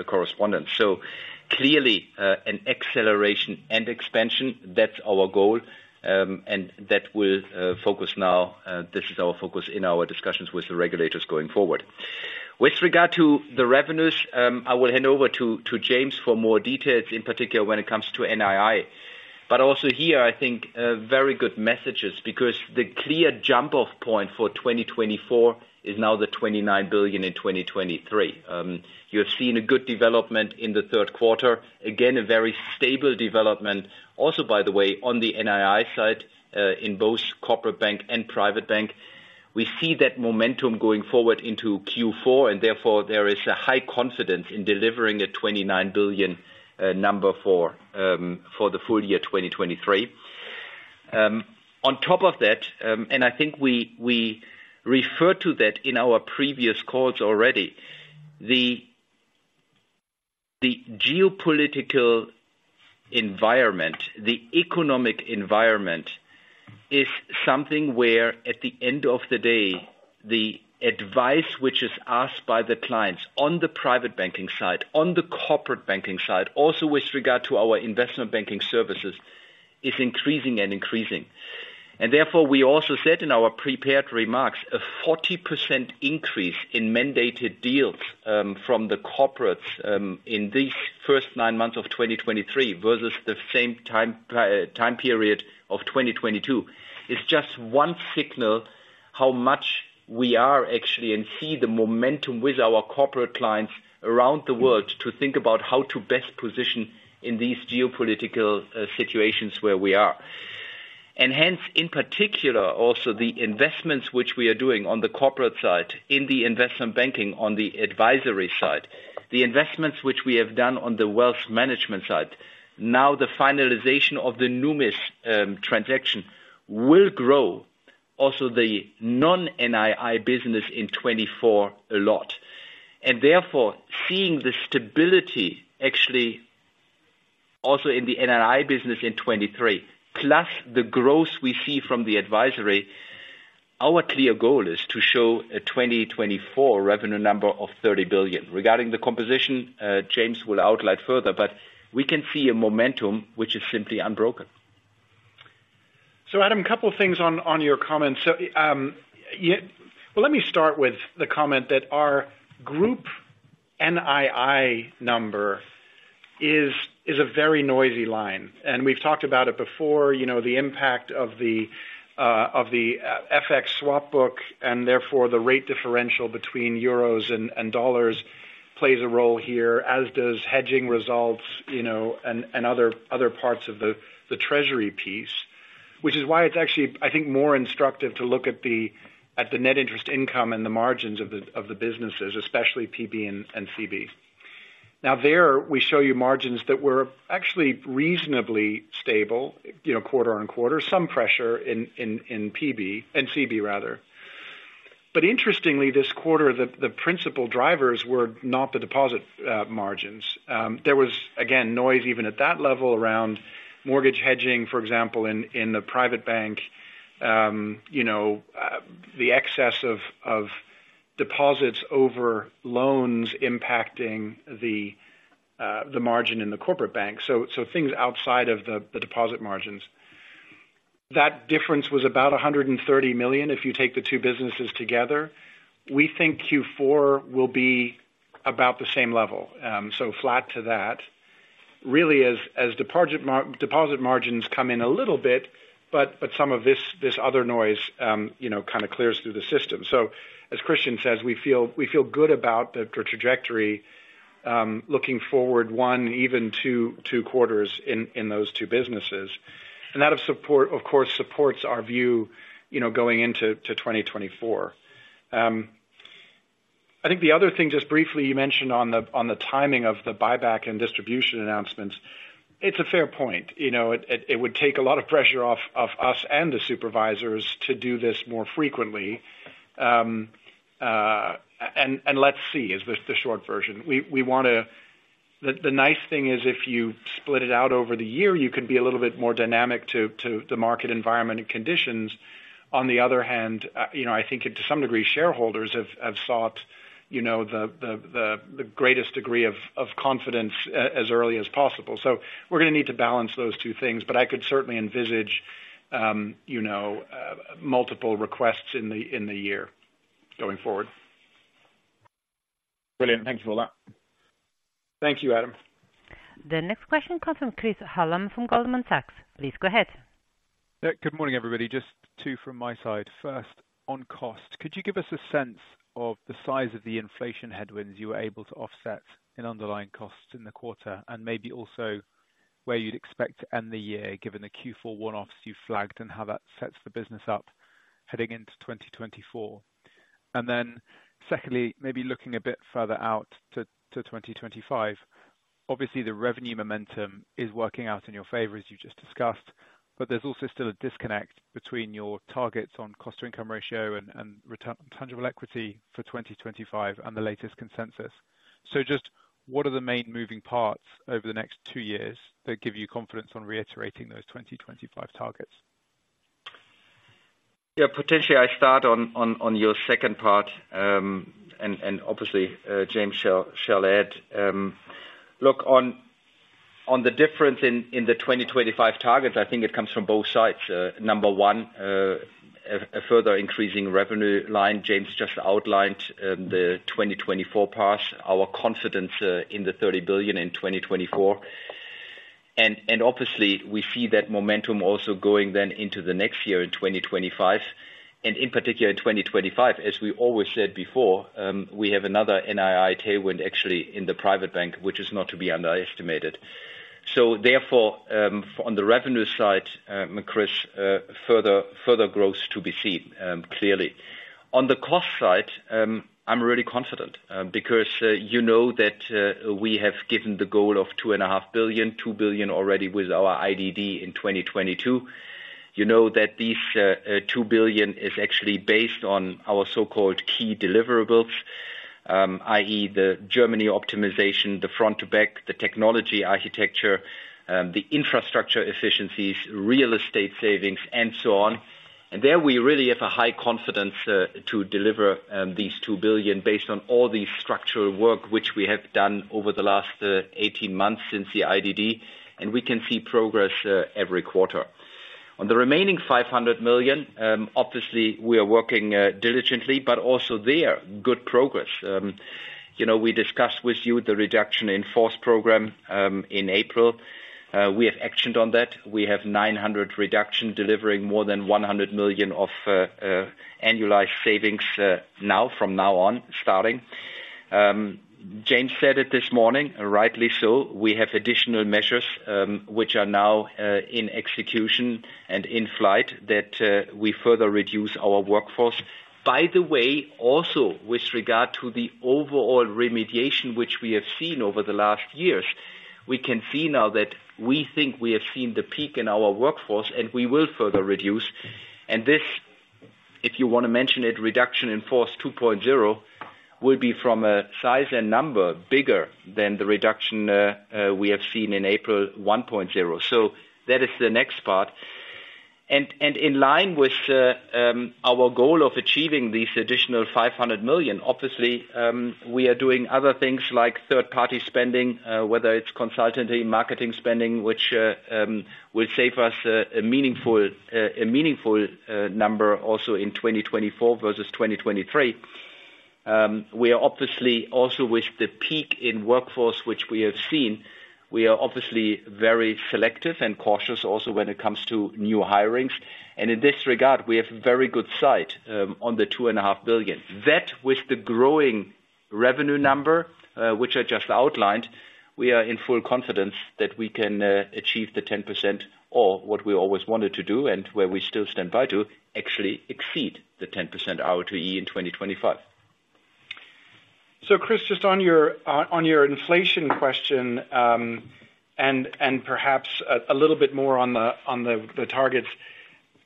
correspondence. So clearly, an acceleration and expansion, that's our goal, and that will focus now, this is our focus in our discussions with the regulators going forward. With regard to the revenues, I will hand over to James for more details, in particular, when it comes to NII. But also here, I think, very good messages because the clear jump-off point for 2024 is now the 29 billion in 2023. You have seen a good development in the third quarter. Again, a very stable development. Also, by the way, on the NII side, in both Corporate Bank and private bank, we see that momentum going forward into Q4, and therefore there is a high confidence in delivering a 29 billion number for the full year 2023. On top of that, and I think we referred to that in our previous calls already, the geopolitical environment, the economic environment is something where at the end of the day, the advice which is asked by the clients on the private banking side, on the Corporate Banking side, also with regard to our investment banking services, is increasing and increasing. Therefore, we also said in our prepared remarks, a 40% increase in mandated deals from the corporates in these first nine months of 2023 versus the same time period of 2022, is just one signal how much we are actually and see the momentum with our corporate clients around the world, to think about how to best position in these geopolitical situations where we are. Hence, in particular, also, the investments which we are doing on the corporate side, in the investment banking, on the advisory side, the investments which we have done on the wealth management side, now the finalization of the Numis transaction will grow also the non-NII business in 2024 a lot. And therefore, seeing the stability actually, also in the NII business in 2023, plus the growth we see from the advisory, our clear goal is to show a 2024 revenue number of 30 billion. Regarding the composition, James will outline further, but we can see a momentum which is simply unbroken. So Adam, a couple of things on your comments. So, yeah well, let me start with the comment that our group NII number is a very noisy line, and we've talked about it before. You know, the impact of the FX swap book, and therefore, the rate differential between euros and dollars plays a role here, as does hedging results, you know, and other parts of the treasury piece. Which is why it's actually, I think, more instructive to look at the net interest income and the margins of the businesses, especially PB and CB. Now, there, we show you margins that were actually reasonably stable, you know, quarter-over-quarter. Some pressure in PB and CB rather. But interestingly, this quarter, the principal drivers were not the deposit margins. There was, again, noise even at that level around mortgage hedging, for example, in the private bank. You know, the excess of deposits over loans impacting the margin in the Corporate Bank. So things outside of the deposit margins. That difference was about 130 million, if you take the two businesses together. We think Q4 will be about the same level. So flat to that, really as deposit margins come in a little bit, but some of this other noise, you know, kind of clears through the system. So, as Christian says, we feel good about the trajectory, looking forward one, even two quarters in those two businesses. And that, of course, supports our view, you know, going into 2024. I think the other thing, just briefly, you mentioned on the timing of the buyback and distribution announcements. It's a fair point. You know, it would take a lot of pressure off of us and the supervisors to do this more frequently. And let's see, the short version. We wanna. The nice thing is if you split it out over the year, you can be a little bit more dynamic to the market environment and conditions. On the other hand, you know, I think to some degree, shareholders have sought, you know, the greatest degree of confidence as early as possible. So we're gonna need to balance those two things, but I could certainly envisage, you know, multiple requests in the year going forward. Brilliant. Thank you for that. Thank you, Adam. The next question comes from Chris Hallam, from Goldman Sachs. Please go ahead. Good morning, everybody. Just two from my side. First, on cost, could you give us a sense of the size of the inflation headwinds you were able to offset in underlying costs in the quarter? And maybe also, where you'd expect to end the year, given the Q4 one-offs you flagged, and how that sets the business up heading into 2024. And then secondly, maybe looking a bit further out to 2025, obviously, the revenue momentum is working out in your favor, as you just discussed, but there's also still a disconnect between your targets on cost-to-income ratio and return on tangible equity for 2025 and the latest consensus. So just, what are the main moving parts over the next two years that give you confidence on reiterating those 2025 targets? Yeah, potentially I start on your second part, and obviously James shall add. Look, on the difference in the 2025 target, I think it comes from both sides. Number one, a further increasing revenue line. James just outlined the 2024 part, our confidence in the 30 billion in 2024. And obviously we see that momentum also going then into the next year, in 2025. And in particular, in 2025, as we always said before, we have another NII tailwind actually in the private bank, which is not to be underestimated. So therefore, on the revenue side, Chris, further growth to be seen, clearly. On the cost side, I'm really confident, because you know that we have given the goal of 2.5 billion, 2 billion already with our IDD in 2022. You know that these 2 billion is actually based on our so-called key deliverables, i.e., the Germany optimization, the front to back, the technology architecture, the infrastructure efficiencies, real estate savings, and so on. And there we really have a high confidence to deliver these 2 billion based on all the structural work which we have done over the last 18 months since the IDD, and we can see progress every quarter. On the remaining 500 million, obviously we are working diligently, but also there, good progress. You know, we discussed with you the reduction in force program in April. We have actioned on that. We have 900 reduction, delivering more than 100 million of annualized savings now, from now on, starting. James said it this morning, and rightly so, we have additional measures, which are now in execution and in flight that we further reduce our workforce. By the way, also, with regard to the overall remediation which we have seen over the last years, we can see now that we think we have seen the peak in our workforce, and we will further reduce. And this, if you wanna mention it, reduction in force 2.0, will be from a size and number bigger than the reduction we have seen in April 1.0. So that is the next part. In line with our goal of achieving these additional 500 million, obviously, we are doing other things like third-party spending, whether it's consultancy, marketing spending, which will save us a meaningful, a meaningful number also in 2024 versus 2023. We are obviously also with the peak in workforce, which we have seen, we are obviously very selective and cautious also when it comes to new hirings. And in this regard, we have very good sight on the 2.5 billion. That, with the growing revenue number, which I just outlined, we are in full confidence that we can achieve the 10%, or what we always wanted to do and where we still stand by to, actually exceed the 10% ROAE in 2025. So Chris, just on your inflation question, and perhaps a little bit more on the targets.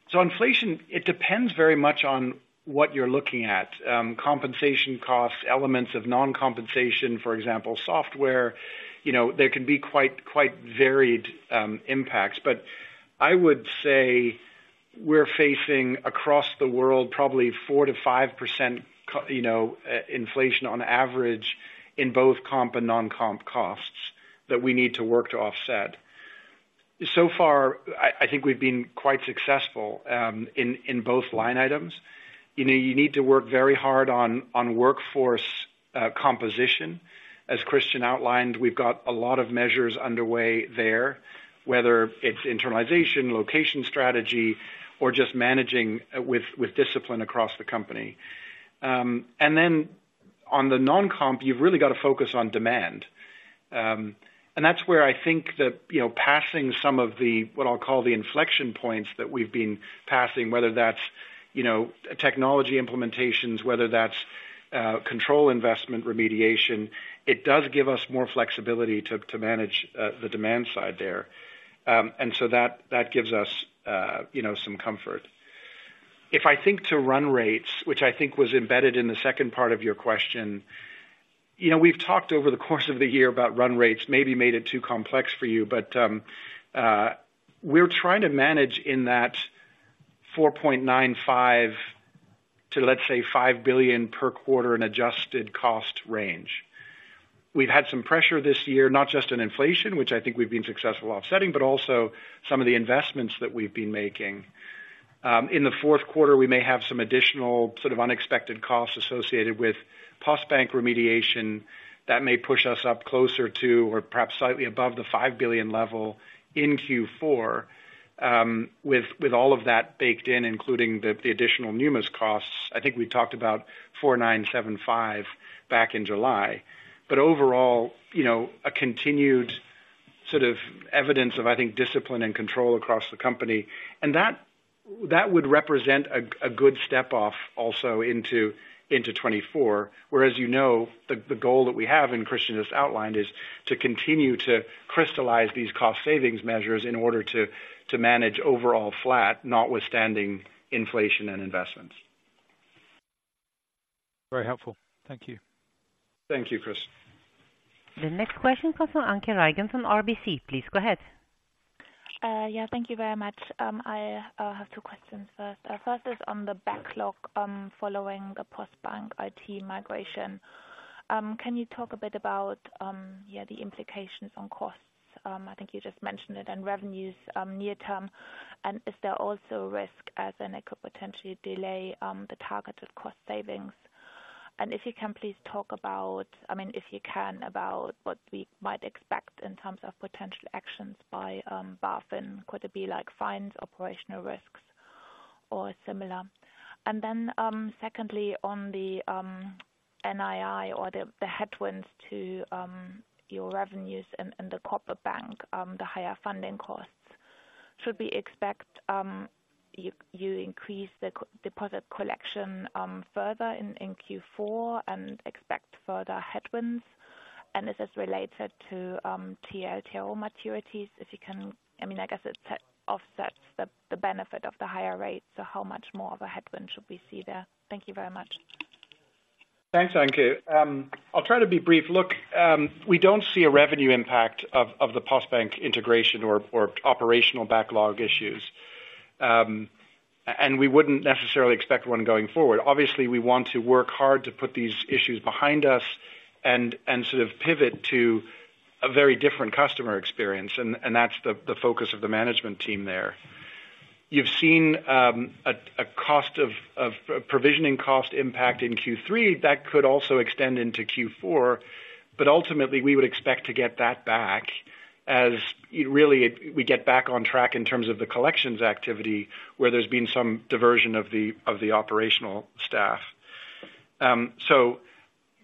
So inflation, it depends very much on what you're looking at, compensation costs, elements of non-compensation, for example, software. You know, there can be quite varied impacts. But I would say we're facing across the world, probably 4%-5% you know, inflation on average in both comp and non-comp costs that we need to work to offset. So far, I think we've been quite successful in both line items. You know, you need to work very hard on workforce composition. As Christian outlined, we've got a lot of measures underway there, whether it's internalization, location strategy, or just managing with discipline across the company. And then on the non-comp, you've really got to focus on demand. And that's where I think that, you know, passing some of the, what I'll call the inflection points that we've been passing, whether that's, you know, technology implementations, whether that's, control investment remediation, it does give us more flexibility to, to manage, the demand side there. And so that, that gives us, you know, some comfort. If I think to run rates, which I think was embedded in the second part of your question, you know, we've talked over the course of the year about run rates, maybe made it too complex for you, but, we're trying to manage in that 4.95 billion-5 billion per quarter in adjusted cost range. We've had some pressure this year, not just on inflation, which I think we've been successful offsetting, but also some of the investments that we've been making. In the fourth quarter, we may have some additional sort of unexpected costs associated with Postbank remediation that may push us up closer to, or perhaps slightly above the 5 billion level in Q4. With all of that baked in, including the additional Numis costs, I think we talked about 4,975 million back in July. But overall, you know, a continued sort of evidence of, I think, discipline and control across the company. And that would represent a good step off also into 2024. Whereas, you know, the goal that we have, and Christian just outlined, is to continue to crystallize these cost savings measures in order to manage overall flat, notwithstanding inflation and investments. Very helpful. Thank you. Thank you, Chris. The next question comes from Anke Reingen from RBC, please go ahead. Yeah, thank you very much. I have two questions first. First is on the backlog following the Postbank IT migration. Can you talk a bit about, yeah, the implications on costs? I think you just mentioned it, and revenues near term, and is there also risk as in it could potentially delay the targeted cost savings? And if you can, please talk about, I mean, if you can, about what we might expect in terms of potential actions by BaFin, could it be like fines, operational risks, or similar? And then secondly, on the NII or the headwinds to your revenues in the Corporate Bank, the higher funding costs. Should we expect you increase the deposit collection further in Q4 and expect further headwinds? This is related to TLTRO maturities. I mean, I guess it offsets the benefit of the higher rate, so how much more of a headwind should we see there? Thank you very much. Thanks, Anke. I'll try to be brief. Look, we don't see a revenue impact of the Postbank integration or operational backlog issues. We wouldn't necessarily expect one going forward. Obviously, we want to work hard to put these issues behind us and sort of pivot to a very different customer experience, and that's the focus of the management team there. You've seen a cost of provisioning cost impact in Q3 that could also extend into Q4, but ultimately we would expect to get that back as really we get back on track in terms of the collections activity, where there's been some diversion of the operational staff. So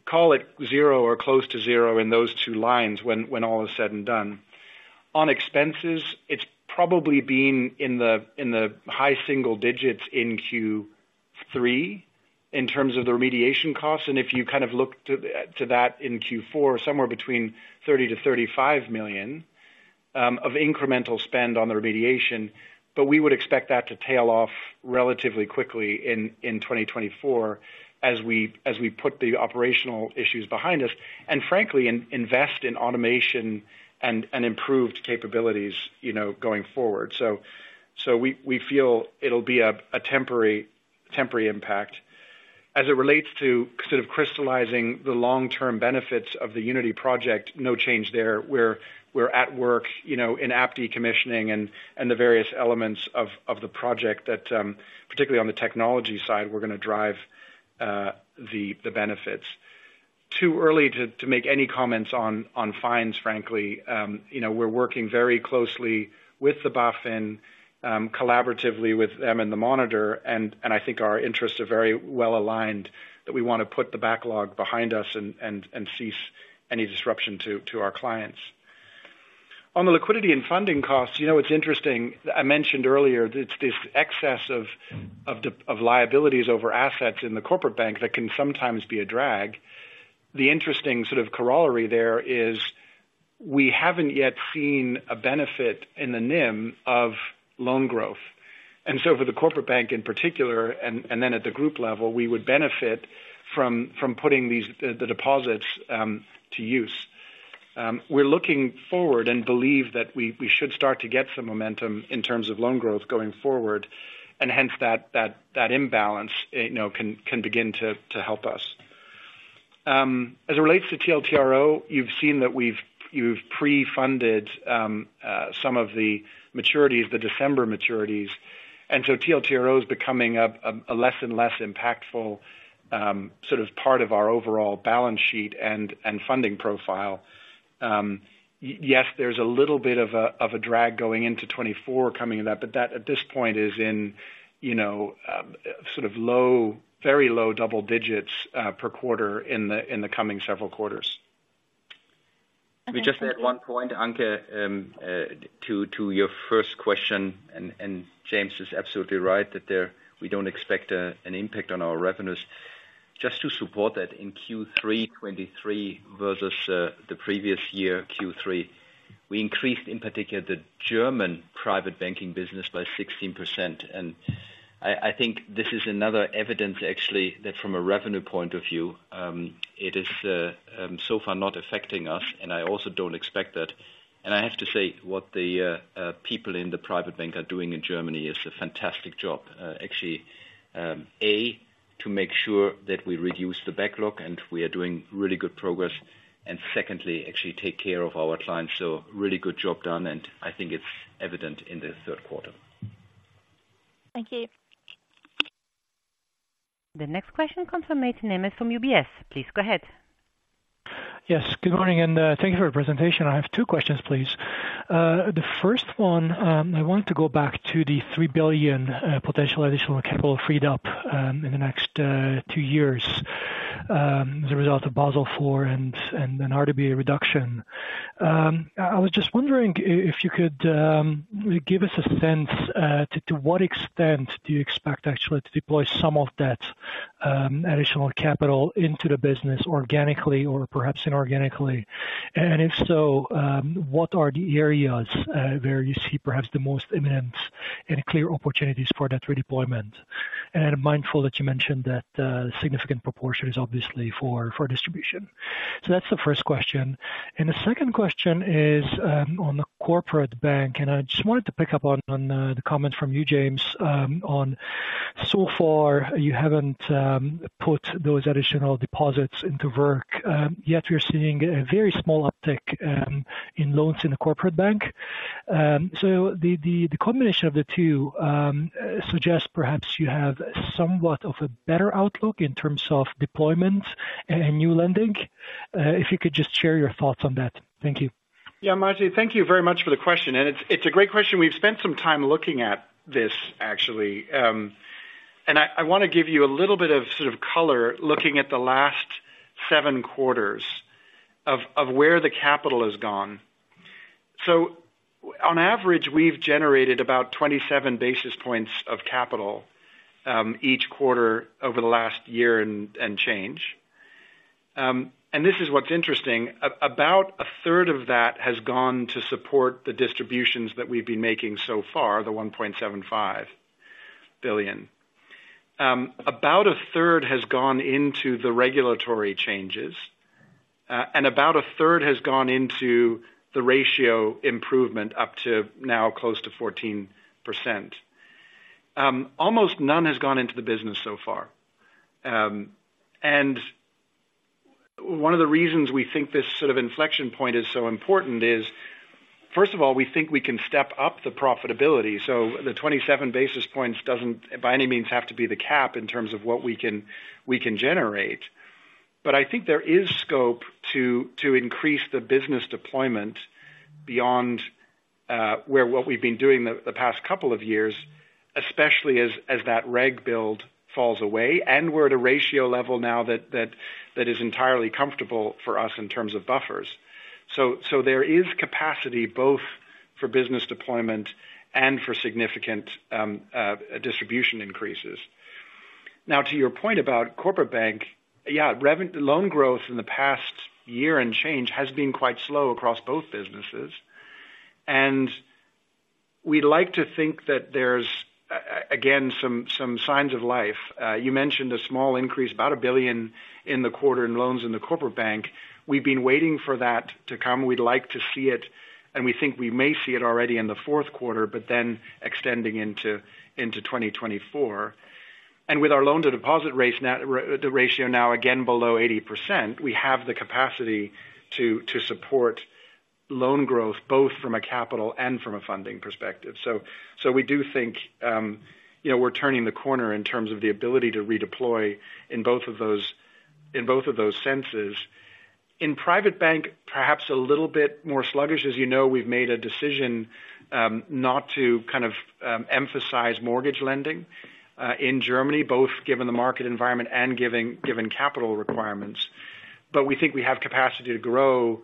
call it zero or close to zero in those two lines when all is said and done. On expenses, it's probably been in the high single digits in Q3, in terms of the remediation costs, and if you kind of look to that in Q4, somewhere between 30 million-35 million of incremental spend on the remediation, but we would expect that to tail off relatively quickly in 2024, as we put the operational issues behind us, and frankly, invest in automation and improved capabilities, you know, going forward. So we feel it'll be a temporary impact. As it relates to sort of crystallizing the long-term benefits of the Unity project, no change there. We're at work, you know, in app decommissioning and the various elements of the project that, particularly on the technology side, we're gonna drive the benefits. Too early to make any comments on fines, frankly. You know, we're working very closely with the BaFin, collaboratively with them and the monitor, and I think our interests are very well aligned, that we want to put the backlog behind us and cease any disruption to our clients. On the liquidity and funding costs, you know, it's interesting, I mentioned earlier, it's this excess of liabilities over assets in the Corporate Bank that can sometimes be a drag. The interesting sort of corollary there is, we haven't yet seen a benefit in the NIM of loan growth. And so for the Corporate Bank in particular, and then at the group level, we would benefit from putting these, the deposits, to use. We're looking forward and believe that we should start to get some momentum in terms of loan growth going forward, and hence, that imbalance, you know, can begin to help us. As it relates to TLTRO, you've seen that we've pre-funded some of the maturities, the December maturities, and so TLTRO is becoming a less and less impactful sort of part of our overall balance sheet and funding profile. Yes, there's a little bit of a drag going into 2024 coming in that, but that, at this point, is in, you know, sort of low, very low double digits per quarter in the coming several quarters. We just add one point, Anke, to your first question, and James is absolutely right that there we don't expect an impact on our revenues. Just to support that, in Q3 2023 versus the previous year, Q3, we increased, in particular, the German private banking business by 16%. I think this is another evidence, actually, that from a revenue point of view, it is so far not affecting us, and I also don't expect that. I have to say, what the people in the private bank are doing in Germany is a fantastic job. Actually, to make sure that we reduce the backlog, and we are doing really good progress, and secondly, actually take care of our clients. So really good job done, and I think it's evident in the third quarter. Thank you. The next question comes from Mate Nemes from UBS. Please go ahead. Yes, good morning, and, thank you for your presentation. I have two questions, please. The first one, I want to go back to the 3 billion potential additional capital freed up, in the next two years, as a result of Basel IV and an RBA reduction. I was just wondering if you could give us a sense to what extent do you expect actually to deploy some of that additional capital into the business, organically or perhaps inorganically? And if so, what are the areas where you see perhaps the most imminent and clear opportunities for that redeployment? And I'm mindful that you mentioned that a significant proportion is obviously for distribution. So that's the first question. And the second question is on the Corporate Bank, and I just wanted to pick up on the comments from you, James, on so far, you haven't put those additional deposits into work, yet we're seeing a very small uptick in loans in the Corporate Bank. So the combination of the two suggests perhaps you have somewhat of a better outlook in terms of deployment and new lending. If you could just share your thoughts on that. Thank you. Yeah, Mate, thank you very much for the question, and it's a great question. We've spent some time looking at this actually, and I want to give you a little bit of sort of color, looking at the last seven quarters of where the capital has gone. So on average, we've generated about 27 basis points of capital each quarter over the last year and change. And this is what's interesting, about a third of that has gone to support the distributions that we've been making so far, the 1.75 billion. About a third has gone into the regulatory changes, and about a third has gone into the ratio improvement up to now close to 14%. Almost none has gone into the business so far. And one of the reasons we think this sort of inflection point is so important is, first of all, we think we can step up the profitability. So the 27 basis points doesn't, by any means, have to be the cap in terms of what we can, we can generate. But I think there is scope to, to increase the business deployment beyond, where what we've been doing the, the past couple of years, especially as, as that reg build falls away, and we're at a ratio level now that, that, that is entirely comfortable for us in terms of buffers. So, so there is capacity both for business deployment and for significant, distribution increases. Now, to your point about Corporate Bank, yeah, loan growth in the past year and change has been quite slow across both businesses. We'd like to think that there's again some signs of life. You mentioned a small increase, about 1 billion in the quarter in loans in the Corporate Bank. We've been waiting for that to come. We'd like to see it, and we think we may see it already in the fourth quarter, but then extending into 2024. And with our loan-to-deposit ratio now again below 80%, we have the capacity to support loan growth, both from a capital and from a funding perspective. So we do think, you know, we're turning the corner in terms of the ability to redeploy in both of those senses. In private bank, perhaps a little bit more sluggish. As you know, we've made a decision not to kind of emphasize mortgage lending in Germany, both given the market environment and given capital requirements. But we think we have capacity to grow,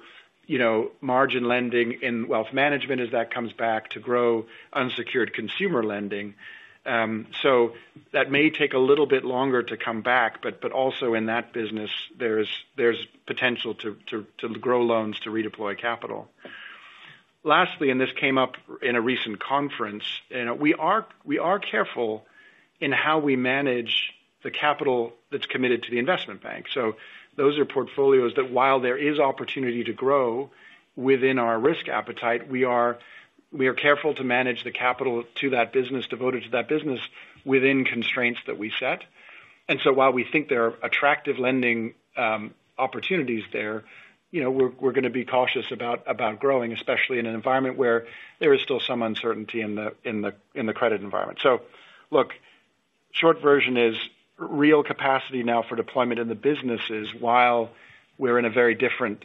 you know, margin lending in wealth management as that comes back to grow unsecured consumer lending. So that may take a little bit longer to come back, but also in that business, there's potential to grow loans, to redeploy capital. Lastly, and this came up in a recent conference, and we are careful in how we manage the capital that's committed to the investment bank. So those are portfolios that while there is opportunity to grow within our risk appetite, we are careful to manage the capital to that business, devoted to that business, within constraints that we set. While we think there are attractive lending opportunities there, you know, we're gonna be cautious about growing, especially in an environment where there is still some uncertainty in the credit environment. So look, short version is, real capacity now for deployment in the businesses while we're in a very different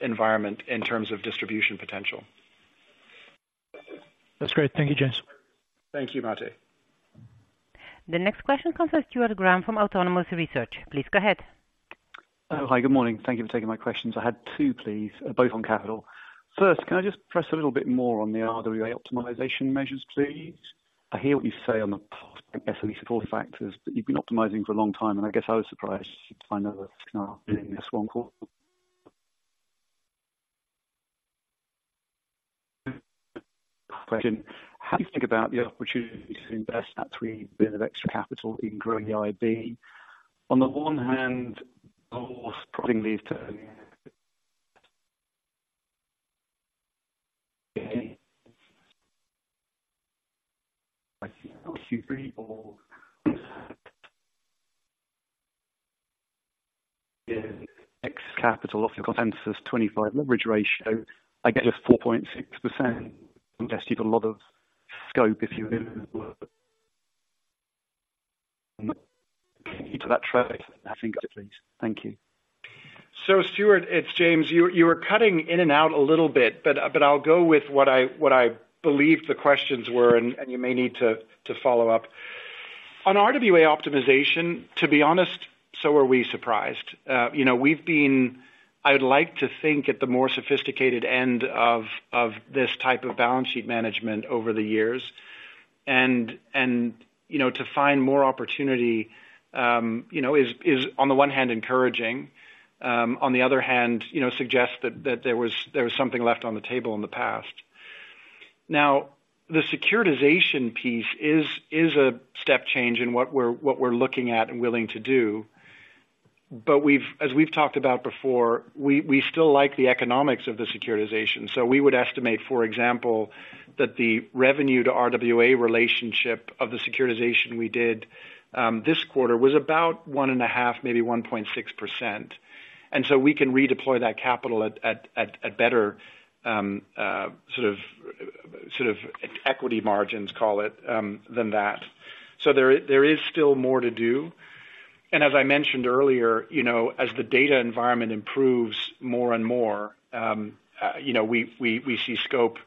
environment in terms of distribution potential. That's great. Thank you, James. Thank you, Mate. The next question comes from Stuart Graham, from Autonomous Research. Please go ahead. Hi, good morning. Thank you for taking my questions. I had two, please, both on capital. First, can I just press a little bit more on the RWA optimization measures, please? I hear what you say on the past, I guess, only support factors, but you've been optimizing for a long time, and I guess I was surprised to find out that it's not in this one quarter. Question: How do you think about the opportunity to invest that 3 billion of extra capital in growing the IB? On the one hand, those putting these to... X capital off the consensus, 25 leverage ratio, I get a 4.6%. Suggest you've a lot of scope if you... To that traffic, I think, please. Thank you. So Stuart, it's James. You were cutting in and out a little bit, but I'll go with what I believe the questions were, and you may need to follow up. On RWA optimization, to be honest, so are we surprised? You know, we've been... I'd like to think at the more sophisticated end of this type of balance sheet management over the years. And you know, to find more opportunity, you know, is on the one hand, encouraging, on the other hand, you know, suggests that there was something left on the table in the past. Now, the securitization piece is a step change in what we're looking at and willing to do. But we've as we've talked about before, we still like the economics of the securitization. So we would estimate, for example, that the revenue to RWA relationship of the securitization we did this quarter was about 1.5, maybe 1.6%. And so we can redeploy that capital at better equity margins, call it, than that. So there is still more to do. And as I mentioned earlier, you know, as the data environment improves more and more, you know, we see scope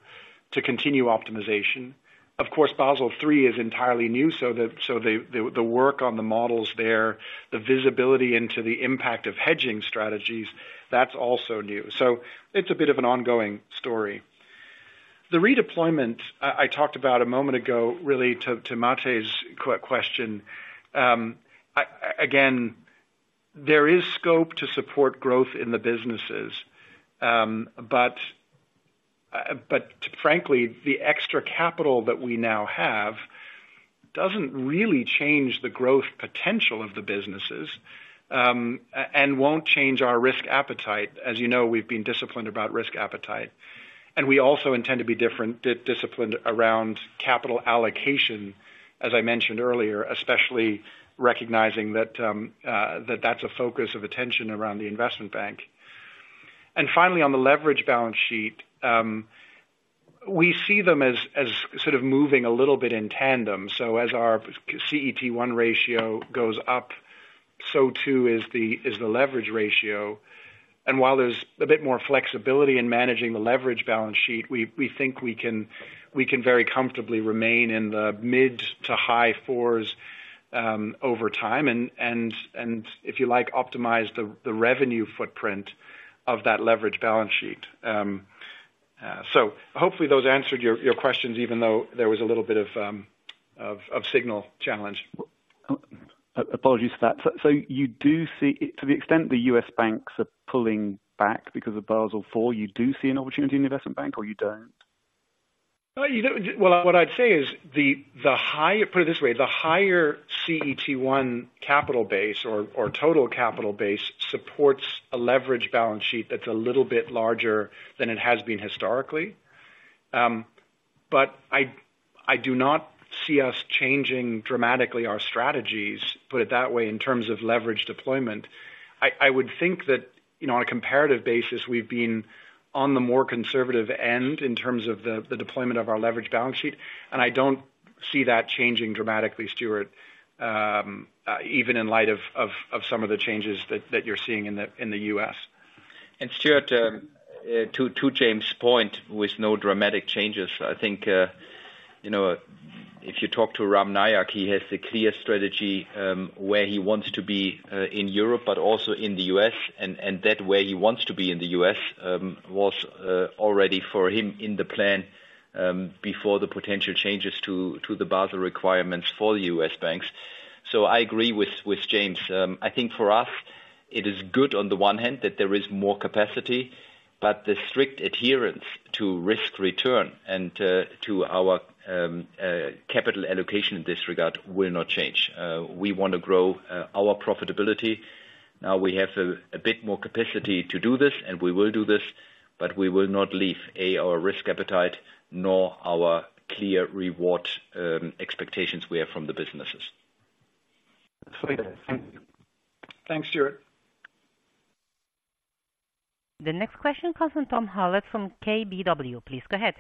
to continue optimization. Of course, Basel III is entirely new, so the work on the models there, the visibility into the impact of hedging strategies, that's also new. So it's a bit of an ongoing story. The redeployment I talked about a moment ago, really, to Mate's question, again, there is scope to support growth in the businesses, but frankly, the extra capital that we now have doesn't really change the growth potential of the businesses, and won't change our risk appetite. As you know, we've been disciplined about risk appetite, and we also intend to be disciplined around capital allocation, as I mentioned earlier, especially recognizing that that's a focus of attention around the investment bank. And finally, on the leverage balance sheet, we see them as sort of moving a little bit in tandem. So as our CET1 ratio goes up, so too is the leverage ratio. While there's a bit more flexibility in managing the leverage balance sheet, we think we can very comfortably remain in the mid- to high-fours over time, and if you like, optimize the revenue footprint of that leverage balance sheet. So hopefully those answered your questions, even though there was a little bit of signal challenge. Apologies for that. So, so you do see, to the extent the U.S. banks are pulling back because of Basel IV, you do see an opportunity in investment bank or you don't? Well, you know, well, what I'd say is the higher.. Put it this way: the higher CET1 capital base or total capital base supports a leverage balance sheet that's a little bit larger than it has been historically. But I do not see us changing dramatically our strategies, put it that way, in terms of leverage deployment. I would think that, you know, on a comparative basis, we've been on the more conservative end in terms of the deployment of our leverage balance sheet, and I don't see that changing dramatically, Stuart, even in light of some of the changes that you're seeing in the U.S. Stuart, to James' point, with no dramatic changes, I think, you know, if you talk to Ram Nayak, he has the clear strategy, where he wants to be in Europe, but also in the U.S, and that way, he wants to be in the U.S, was already for him in the plan, before the potential changes to the Basel requirements for the U.S banks. So I agree with James. I think for us, it is good on the one hand that there is more capacity, but the strict adherence to risk return and to our capital allocation in this regard will not change. We want to grow our profitability. Now, we have a bit more capacity to do this, and we will do this, but we will not leave our risk appetite, nor our clear reward expectations we have from the businesses. Thanks. Thanks, Stuart. The next question comes from Tom Hallett from KBW. Please go ahead.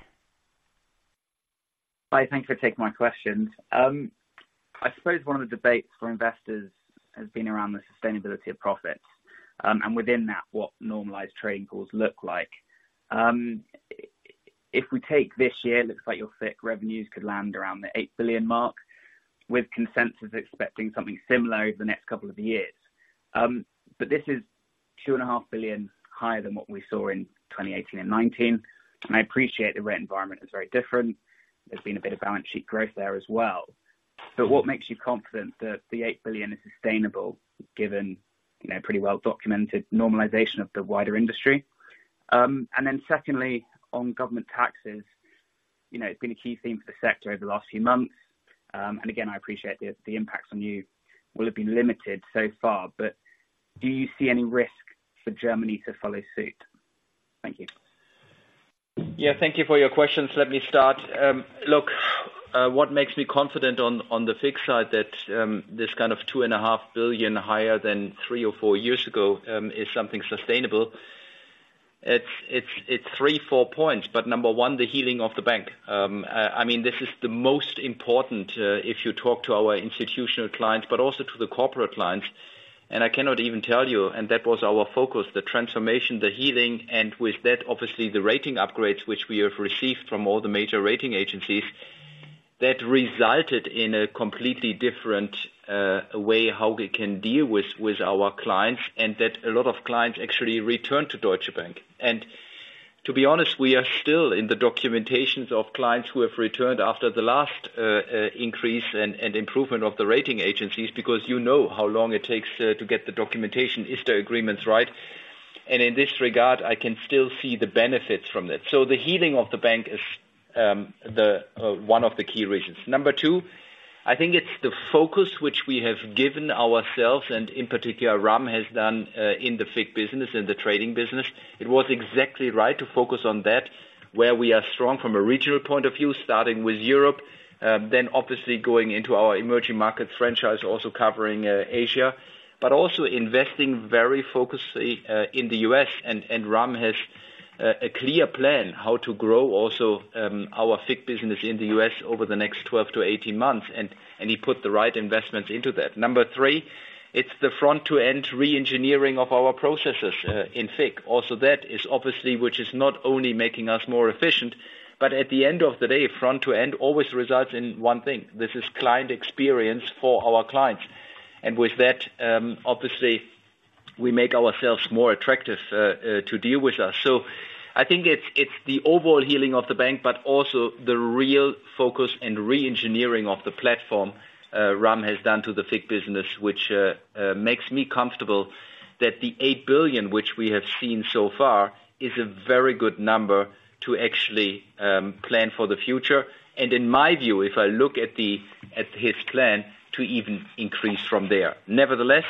Hi, thank you for taking my questions. I suppose one of the debates for investors has been around the sustainability of profits, and within that, what normalized trading goals look like. If we take this year, looks like your FICC revenues could land around the 8 billion mark, with consensus expecting something similar over the next couple of years. But this is 2.5 billion higher than what we saw in 2018 and 2019, and I appreciate the rate environment is very different. There's been a bit of balance sheet growth there as well. But what makes you confident that the 8 billion is sustainable, given, you know, pretty well-documented normalization of the wider industry? And then secondly, on government taxes, you know, it's been a key theme for the sector over the last few months. Again, I appreciate the impacts on you will have been limited so far, but do you see any risk for Germany to follow suit? Thank you. Yeah, thank you for your questions. Let me start. Look, what makes me confident on, on the FICC side that, this kind of 2.5 billion higher than three or four years ago, is something sustainable, it's, it's, it's three, four points, but number one, the healing of the bank. I mean, this is the most important, if you talk to our institutional clients, but also to the corporate clients, and I cannot even tell you, and that was our focus, the transformation, the healing, and with that, obviously, the rating upgrades which we have received from all the major rating agencies, that resulted in a completely different, way, how we can deal with, with our clients, and that a lot of clients actually returned to Deutsche Bank. And to be honest, we are still in the documentations of clients who have returned after the last increase and improvement of the rating agencies, because you know how long it takes to get the documentation, is the agreements right? And in this regard, I can still see the benefits from that. So the healing of the bank is the one of the key reasons. Number two, I think it's the focus which we have given ourselves, and in particular, Ram has done in the FICC business, in the trading business. It was exactly right to focus on that, where we are strong from a regional point of view, starting with Europe, then obviously going into our emerging market franchise, also covering Asia, but also investing very focusedly in the U.S. Ram has a clear plan how to grow also our FICC business in the U.S. over the next 12-18 months, and he put the right investments into that. Number three. It's the front-to-end reengineering of our processes in FICC. Also, that is obviously, which is not only making us more efficient, but at the end of the day, front to end always results in one thing, this is client experience for our clients. And with that, obviously, we make ourselves more attractive to deal with us. So I think it's the overall healing of the bank, but also the real focus and reengineering of the platform Ram has done to the FICC business, which makes me comfortable that the 8 billion, which we have seen so far, is a very good number to actually plan for the future. And in my view, if I look at his plan, to even increase from there. Nevertheless,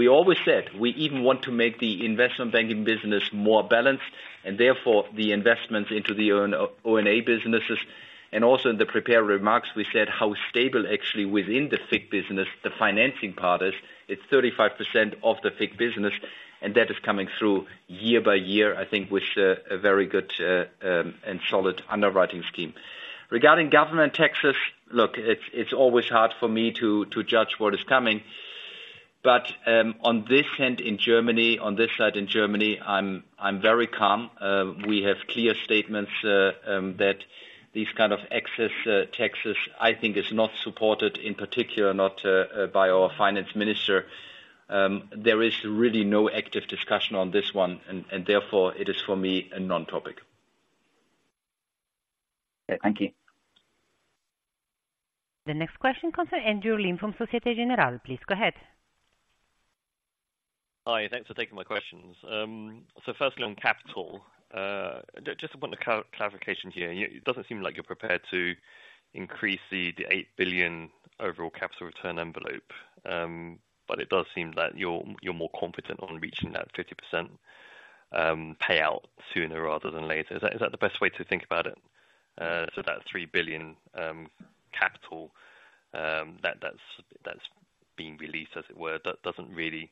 we always said we even want to make the investment banking business more balanced, and therefore the investments into the own O&A businesses. And also in the prepared remarks, we said how stable actually within the FICC business the financing part is, it's 35% of the FICC business, and that is coming through year by year, I think, with a very good and solid underwriting scheme. Regarding government taxes, look, it's always hard for me to judge what is coming, but on this hand, in Germany, on this side in Germany, I'm very calm. We have clear statements that these kind of excess taxes, I think, is not supported, in particular, not by our finance minister. There is really no active discussion on this one, and therefore, it is, for me, a non-topic. Thank you. The next question comes from Andrew Lim from Société Générale. Please go ahead. Hi, thanks for taking my questions. So firstly, on capital, just want a clarification here. It doesn't seem like you're prepared to increase the 8 billion overall capital return envelope, but it does seem like you're more confident on reaching that 50% payout sooner rather than later. Is that the best way to think about it? So that 3 billion capital that's being released, as it were, that doesn't really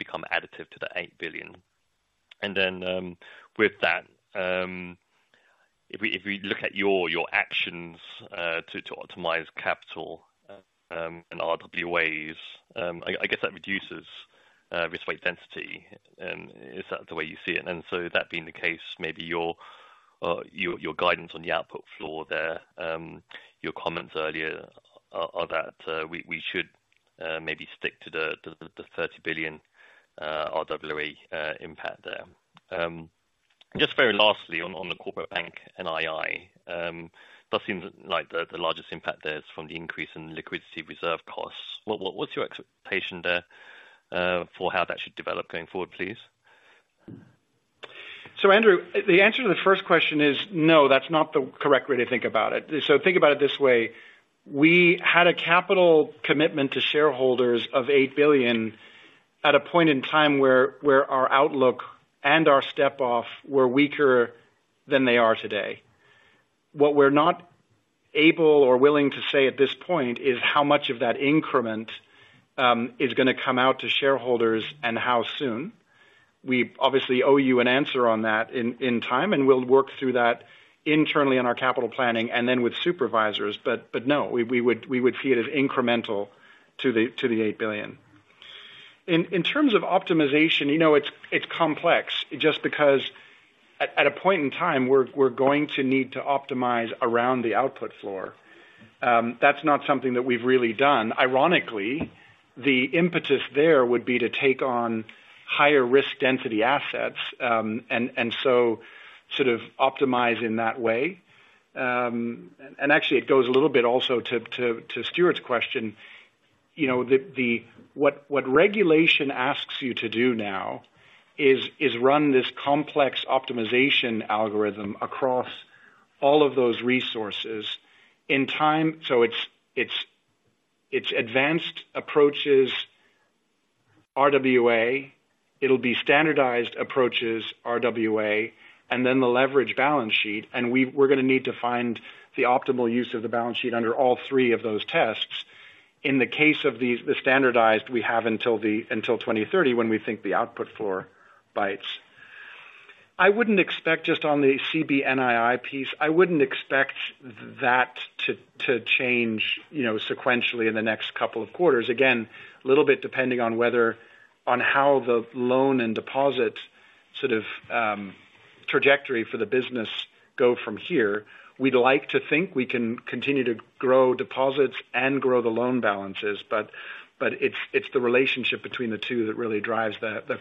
become additive to the 8 billion. And then, with that, if we look at your actions to optimize capital and RWAs, I guess that reduces risk weight density. And is that the way you see it? That being the case, maybe your, your guidance on the output floor there, your comments earlier are, are that, we, we should, maybe stick to the, the, the 30 billion RWA impact there. Just very lastly, on, on the Corporate Bank NII, does seem like the, the largest impact there is from the increase in liquidity reserve costs. What, what's your expectation there, for how that should develop going forward, please? So Andrew, the answer to the first question is no, that's not the correct way to think about it. So think about it this way, we had a capital commitment to shareholders of 8 billion at a point in time where our outlook and our step-off were weaker than they are today. What we're not able or willing to say at this point is how much of that increment is gonna come out to shareholders and how soon. We obviously owe you an answer on that in time, and we'll work through that internally in our capital planning and then with supervisors. But no, we would see it as incremental to the 8 billion. In terms of optimization, you know, it's complex just because at a point in time, we're going to need to optimize around the output floor. That's not something that we've really done. Ironically, the impetus there would be to take on higher risk density assets, and so sort of optimize in that way. And actually, it goes a little bit also to Stuart's question. You know, what regulation asks you to do now is run this complex optimization algorithm across all of those resources in time. So it's advanced approaches, RWA, it'll be standardized approaches, RWA, and then the leverage balance sheet, and we're gonna need to find the optimal use of the balance sheet under all three of those tests. In the case of these, the standardized, we have until 2030, when we think the output floor bites. I wouldn't expect, just on the CBNII piece, I wouldn't expect that to change, you know, sequentially in the next couple of quarters. Again, a little bit, depending on whether, on how the loan and deposit sort of trajectory for the business go from here. We'd like to think we can continue to grow deposits and grow the loan balances, but it's the relationship between the two that really drives the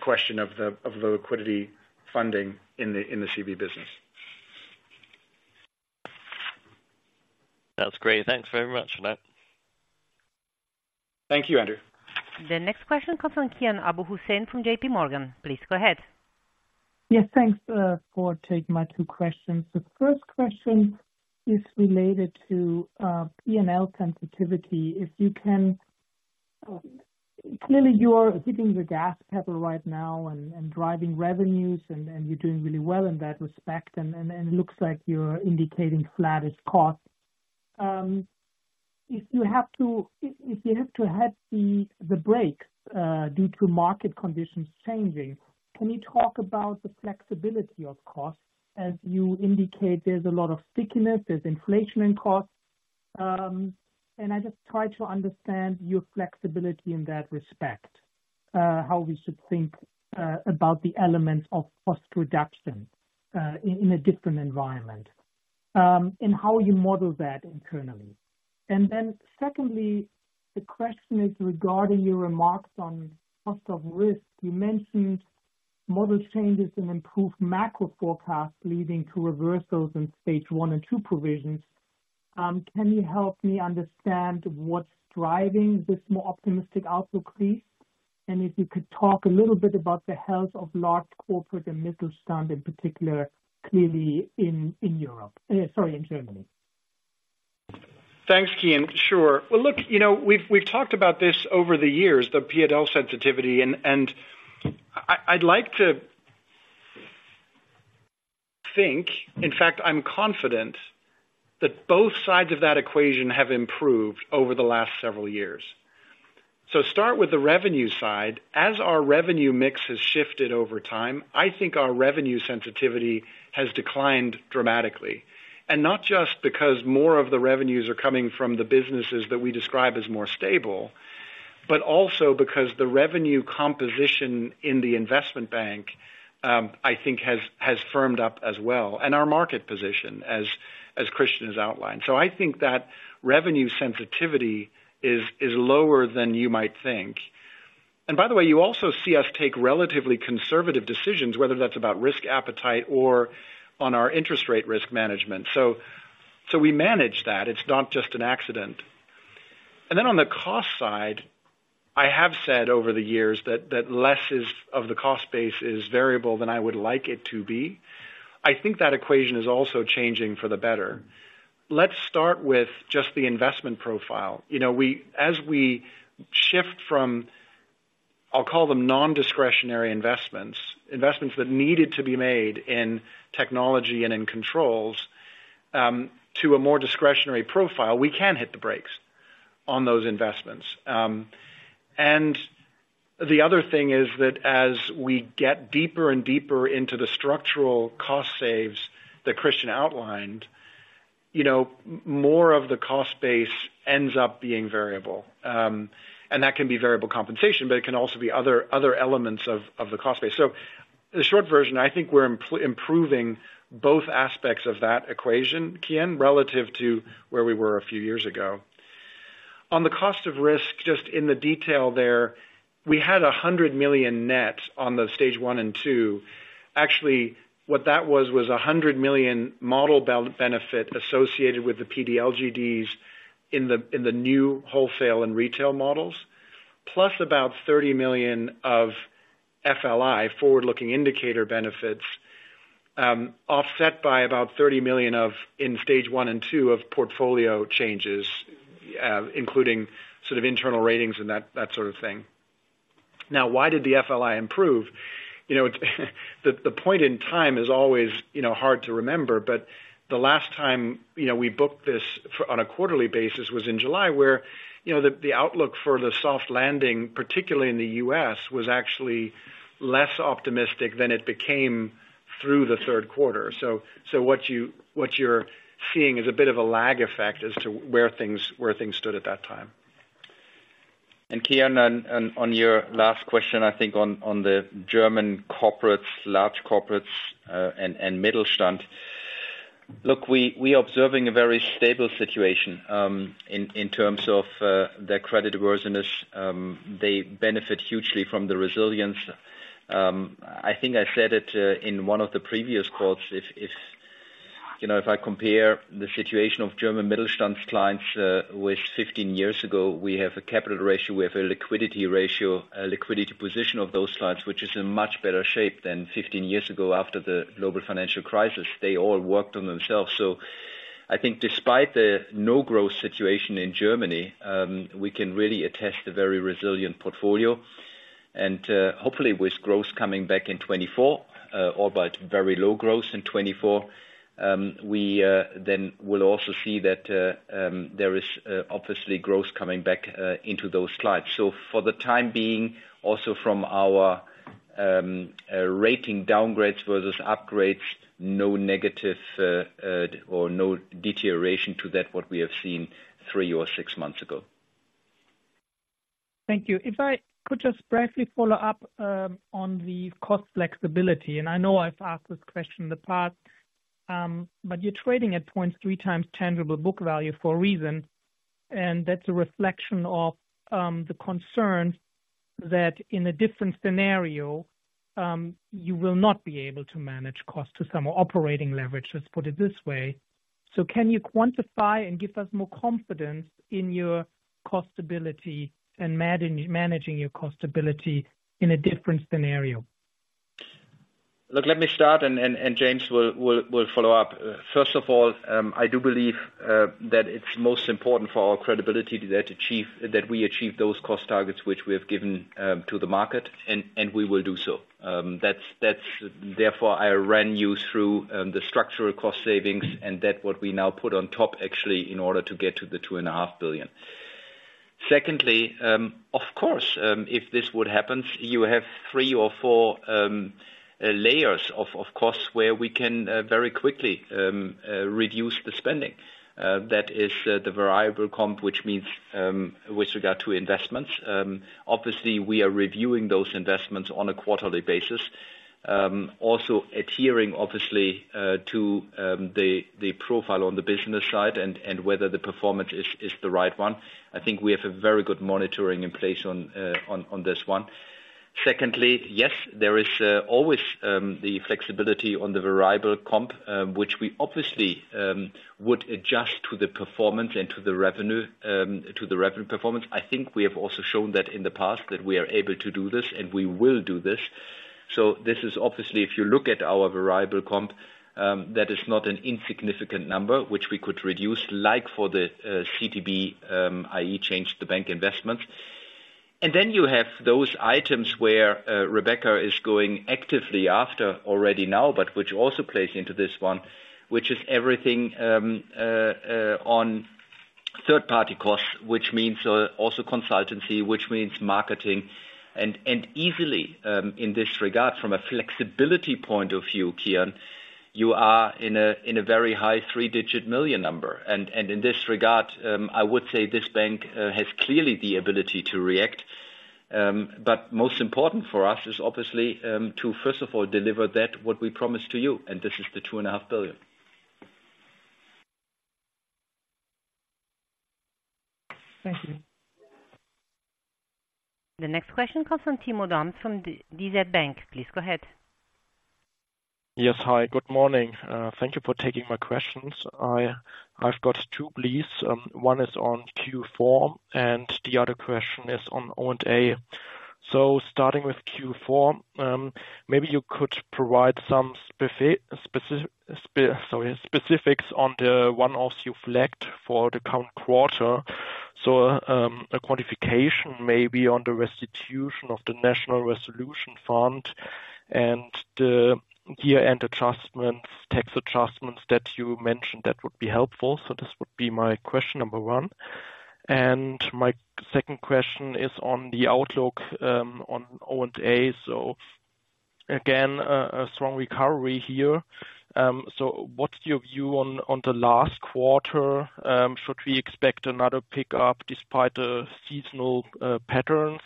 question of the liquidity funding in the CB business. That's great. Thanks very much for that. Thank you, Andrew. The next question comes from Kian Abouhossein from J.P. Morgan. Please go ahead. Yes, thanks, for taking my two questions. The first question is related to, PNL sensitivity. Clearly you are hitting the gas pedal right now and driving revenues, and looks like you're indicating flattest cost. If you have to hit the brake, due to market conditions changing, can you talk about the flexibility of cost as you indicate there's a lot of stickiness, there's inflation in costs? And I just try to understand your flexibility in that respect, how we should think about the elements of cost reduction in a different environment, and how you model that internally. And then secondly, the question is regarding your remarks on cost of risk. You mentioned model changes and improved macro forecasts leading to reversals in stage one and two provisions. Can you help me understand what's driving this more optimistic outlook, please? And if you could talk a little bit about the health of large corporate and Mittelstand, in particular, clearly in Europe, sorry, in Germany. Thanks, Kian. Sure. Well, look, you know, we've talked about this over the years, the P&L sensitivity, and I, I'd like to think, in fact, I'm confident that both sides of that equation have improved over the last several years. So start with the revenue side. As our revenue mix has shifted over time, I think our revenue sensitivity has declined dramatically. And not just because more of the revenues are coming from the businesses that we describe as more stable, but also because the revenue composition in the investment bank, I think has firmed up as well, and our market position, as Christian has outlined. So I think that revenue sensitivity is lower than you might think. And by the way, you also see us take relatively conservative decisions, whether that's about risk appetite or on our interest rate risk management. So we manage that. It's not just an accident. And then on the cost side, I have said over the years that less of the cost base is variable than I would like it to be. I think that equation is also changing for the better. Let's start with just the investment profile. You know, as we shift from, I'll call them non-discretionary investments, investments that needed to be made in technology and in controls, to a more discretionary profile, we can hit the brakes on those investments. And the other thing is that as we get deeper and deeper into the structural cost saves that Christian outlined, you know, more of the cost base ends up being variable. And that can be variable compensation, but it can also be other elements of the cost base. So the short version, I think we're improving both aspects of that equation, Kian, relative to where we were a few years ago. On the cost of risk, just in the detail there, we had 100 million net on the stage one and two. Actually, what that was, was 100 million model benefit associated with the PD/LGDs in the, in the new wholesale and retail models, plus about 30 million of FLI, forward-looking indicator benefits, offset by about 30 million of, in stage one and two, of portfolio changes, including sort of internal ratings and that, that sort of thing. Now, why did the FLI improve? You know, the point in time is always, you know, hard to remember, but the last time, you know, we booked this on a quarterly basis, was in July, where, you know, the outlook for the soft landing, particularly in the U.S., was actually less optimistic than it became through the third quarter. So, what you're seeing is a bit of a lag effect as to where things stood at that time. And Kian, on your last question, I think on the German corporates, large corporates, and Mittelstand. Look, we are observing a very stable situation in terms of their creditworthiness. They benefit hugely from the resilience. I think I said it in one of the previous quotes, if you know, if I compare the situation of German Mittelstand's clients with 15 years ago, we have a capital ratio, we have a liquidity ratio, a liquidity position of those clients, which is in much better shape than 15 years ago after the global financial crisis. They all worked on themselves. So I think despite the no-growth situation in Germany, we can really attest a very resilient portfolio. Hopefully with growth coming back in 2024, or by very low growth in 2024, we then will also see that there is obviously growth coming back into those clients. So for the time being, also from our rating downgrades versus upgrades, no negative or no deterioration to that, what we have seen three or six months ago. Thank you. If I could just briefly follow up on the cost flexibility, and I know I've asked this question in the past, but you're trading at 0.3x tangible book value for a reason, and that's a reflection of the concern that in a different scenario, you will not be able to manage cost to some operating leverage, let's put it this way. So can you quantify and give us more confidence in your cost ability and managing your cost ability in a different scenario? Look, let me start, and James will follow up. First of all, I do believe that it's most important for our credibility that we achieve those cost targets which we have given to the market, and we will do so. That's therefore I ran you through the structural cost savings and that what we now put on top, actually, in order to get to the 2.5 billion. Secondly, of course, if this would happen, you have three or four layers of course where we can very quickly reduce the spending. That is the variable comp, which means with regard to investments, obviously we are reviewing those investments on a quarterly basis. Also adhering, obviously, to the profile on the business side and whether the performance is the right one. I think we have a very good monitoring in place on this one. Secondly, yes, there is always the flexibility on the variable comp, which we obviously would adjust to the performance and to the revenue to the revenue performance. I think we have also shown that in the past, that we are able to do this, and we will do this. So this is obviously, if you look at our variable comp, that is not an insignificant number, which we could reduce, like for the CTB, i.e., Change The Bank investment. And then you have those items where Rebecca is going actively after already now, but which also plays into this one, which is everything on third party costs, which means also consultancy, which means marketing. And easily in this regard, from a flexibility point of view, Kian, you are in a very high three-digit million EUR number. And in this regard, I would say this bank has clearly the ability to react. But most important for us is obviously to first of all, deliver that what we promised to you, and this is the 2.5 billion. Thank you. The next question comes from Timo Dums, from DZ Bank. Please go ahead. Yes. Hi, good morning. Thank you for taking my questions. I've got two, please. One is on Q4, and the other question is on O&A. So starting with Q4, maybe you could provide some specifics on the one-offs you've laid out for the current quarter. So, a quantification maybe on the restitution of the National Resolution Fund and the year-end adjustments, tax adjustments that you mentioned, that would be helpful. So this would be my question number one. And my second question is on the outlook, on O&A. So again, a strong recovery here. So what's your view on the last quarter? Should we expect another pickup despite the seasonal patterns,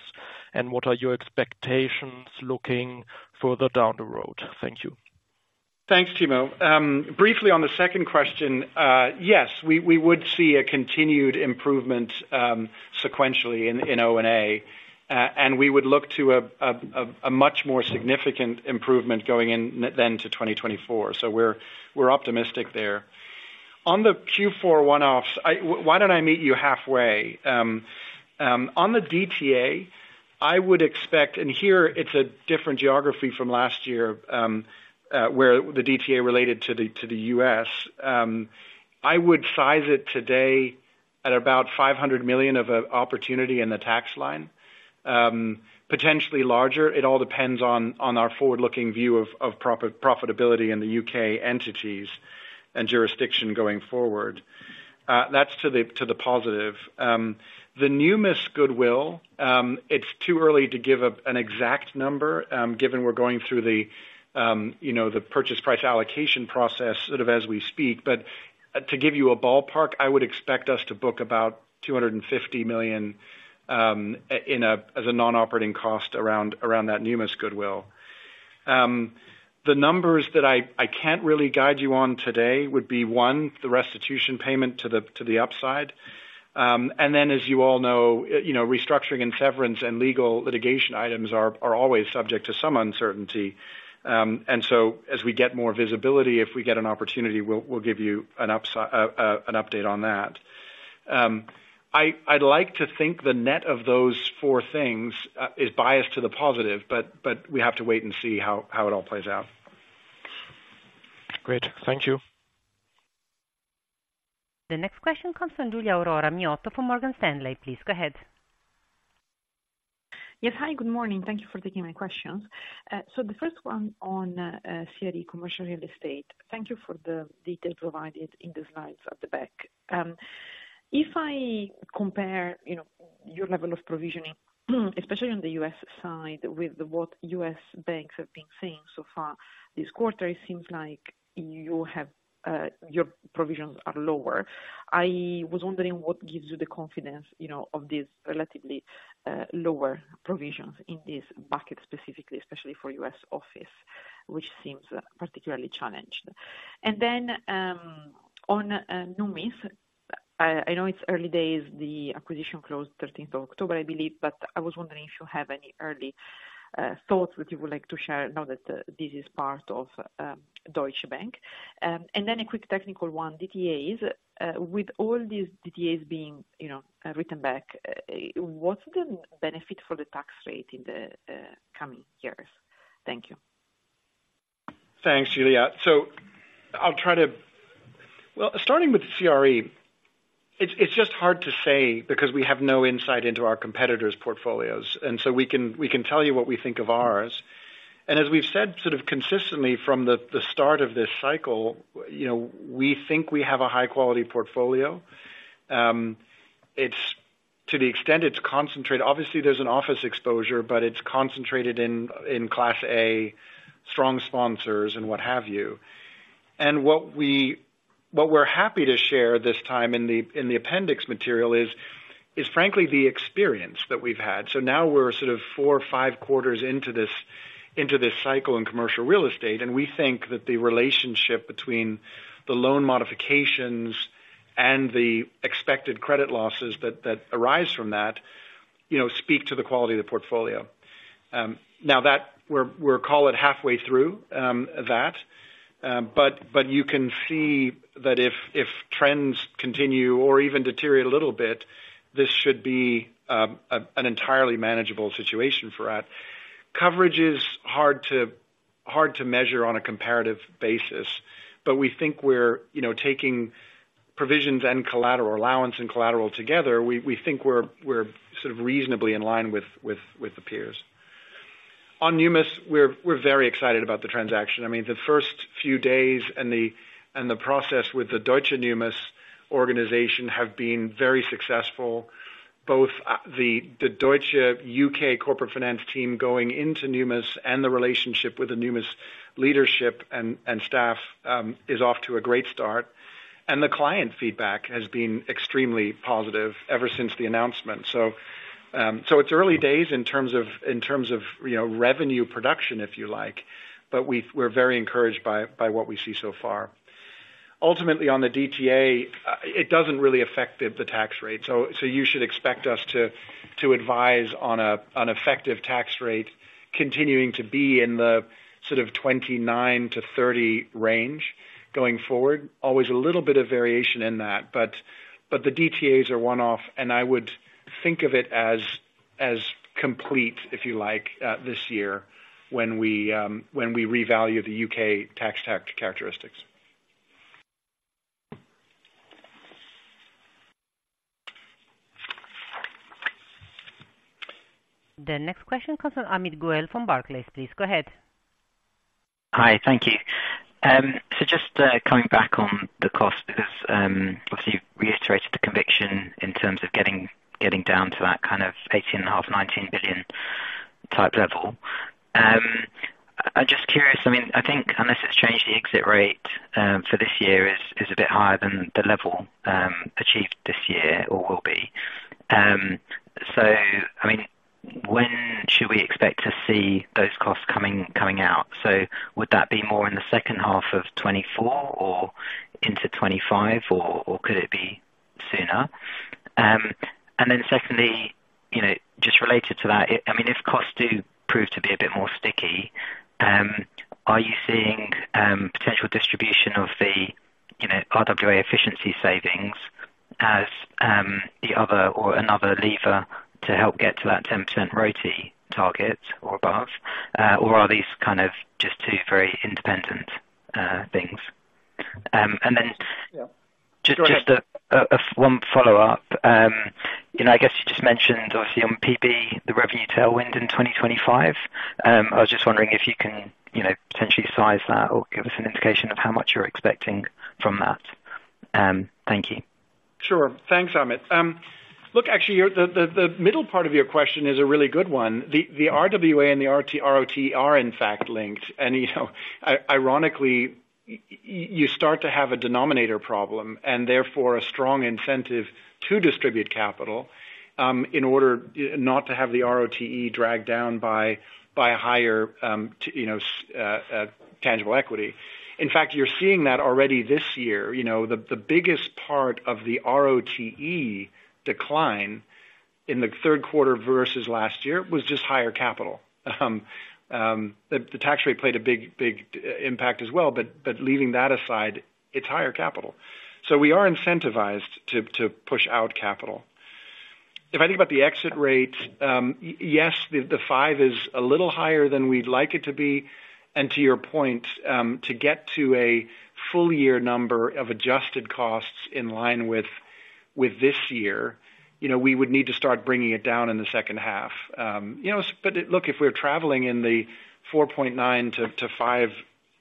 and what are your expectations looking further down the road? Thank you. Thanks, Timo. Briefly, on the second question, yes, we would see a continued improvement sequentially in O&A. And we would look to a much more significant improvement going in then to 2024. So we're optimistic there. On the Q4 one-offs, why don't I meet you halfway? On the DTA, I would expect... and here it's a different geography from last year, where the DTA related to the U.S. I would size it today at about 500 million of opportunity in the tax line. Potentially larger, it all depends on our forward-looking view of profitability in the U.K entities and jurisdiction going forward. That's to the positive. The Numis goodwill, it's too early to give an exact number, given we're going through you know, the purchase price allocation process, sort of, as we speak. But to give you a ballpark, I would expect us to book about 250 million in as a non-operating cost around that Numis goodwill. The numbers that I can't really guide you on today would be, one, the restitution payment to the upside. And then, as you all know, you know, restructuring and severance and legal litigation items are always subject to some uncertainty. And so as we get more visibility, if we get an opportunity, we'll give you an upside, an update on that. I'd like to think the net of those four things is biased to the positive, but we have to wait and see how it all plays out. Great, thank you. The next question comes from Giulia Aurora Miotto from Morgan Stanley. Please go ahead. Yes. Hi, good morning. Thank you for taking my questions. So the first one on CRE, commercial real estate. Thank you for the detail provided in the slides at the back. If I compare, you know, your level of provisioning, especially on the U.S. side, with what U.S. banks have been saying so far this quarter, it seems like you have your provisions are lower. I was wondering what gives you the confidence, you know, of these relatively lower provisions in this bucket, specifically, especially for U.S. office, which seems particularly challenged? And then, on Numis, I know it's early days, the acquisition closed the 13th of October, I believe, but I was wondering if you have any early thoughts that you would like to share now that this is part of Deutsche Bank? A quick technical one, DTAs. With all these DTAs being, you know, written back, what's the benefit for the tax rate in the coming years? Thank you. Thanks, Giulia. So I'll try to... Well, starting with CRE, it's just hard to say because we have no insight into our competitors' portfolios, and so we can tell you what we think of ours... And as we've said, sort of consistently from the start of this cycle, you know, we think we have a high quality portfolio. It's to the extent it's concentrated, obviously there's an office exposure, but it's concentrated in class A, strong sponsors, and what have you. And what we're happy to share this time in the appendix material is frankly the experience that we've had. So now we're sort of four or five quarters into this, into this cycle in commercial real estate, and we think that the relationship between the loan modifications and the expected credit losses that arise from that, you know, speak to the quality of the portfolio. Now that we're call it halfway through that, but you can see that if trends continue or even deteriorate a little bit, this should be an entirely manageable situation for us. Coverage is hard to measure on a comparative basis, but we think we're, you know, taking provisions and collateral allowance and collateral together, we think we're sort of reasonably in line with the peers. On Numis, we're very excited about the transaction. I mean, the first few days and the process with the Deutsche Numis organization have been very successful. Both, the Deutsche U.K corporate finance team going into Numis and the relationship with the Numis leadership and staff, is off to a great start, and the client feedback has been extremely positive ever since the announcement. So, it's early days in terms of, you know, revenue production, if you like, but we're very encouraged by what we see so far. Ultimately, on the DTA, it doesn't really affect the tax rate. So you should expect us to advise on an effective tax rate continuing to be in the sort of 29-30% range going forward. Always a little bit of variation in that, but the DTAs are one-off, and I would think of it as complete, if you like, this year, when we revalue the U.K tax tech characteristics. The next question comes from Amit Goel from Barclays. Please go ahead. Hi, thank you. So just coming back on the cost, because obviously you've reiterated the conviction in terms of getting down to that kind of 18.5 billion-19 billion type level. I'm just curious, I mean, I think unless it's changed, the exit rate for this year is a bit higher than the level achieved this year or will be. So I mean, when should we expect to see those costs coming out? So would that be more in the second half of 2024 or into 2025, or could it be sooner? and then secondly, you know, just related to that, I mean, if costs do prove to be a bit more sticky, are you seeing potential distribution of the, you know, RWA efficiency savings as the other or another lever to help get to that 10% ROTE target or above? Or are these kind of just two very independent things? and then- Yeah. Just one follow-up. You know, I guess you just mentioned obviously on PB, the revenue tailwind in 2025. I was just wondering if you can, you know, potentially size that or give us an indication of how much you're expecting from that? Thank you. Sure. Thanks, Amit. Look, actually, the middle part of your question is a really good one. The RWA and the ROTE are in fact linked, and, you know, ironically, you start to have a denominator problem, and therefore a strong incentive to distribute capital, in order not to have the ROTE dragged down by a higher, you know, tangible equity. In fact, you're seeing that already this year. You know, the biggest part of the ROTE decline in the third quarter versus last year was just higher capital. The tax rate played a big, big impact as well, but leaving that aside, it's higher capital. So we are incentivized to push out capital. If I think about the exit rate, yes, the 5 is a little higher than we'd like it to be. And to your point, to get to a full year number of adjusted costs in line with this year, you know, we would need to start bringing it down in the second half. But look, if we're traveling in the 4.9-5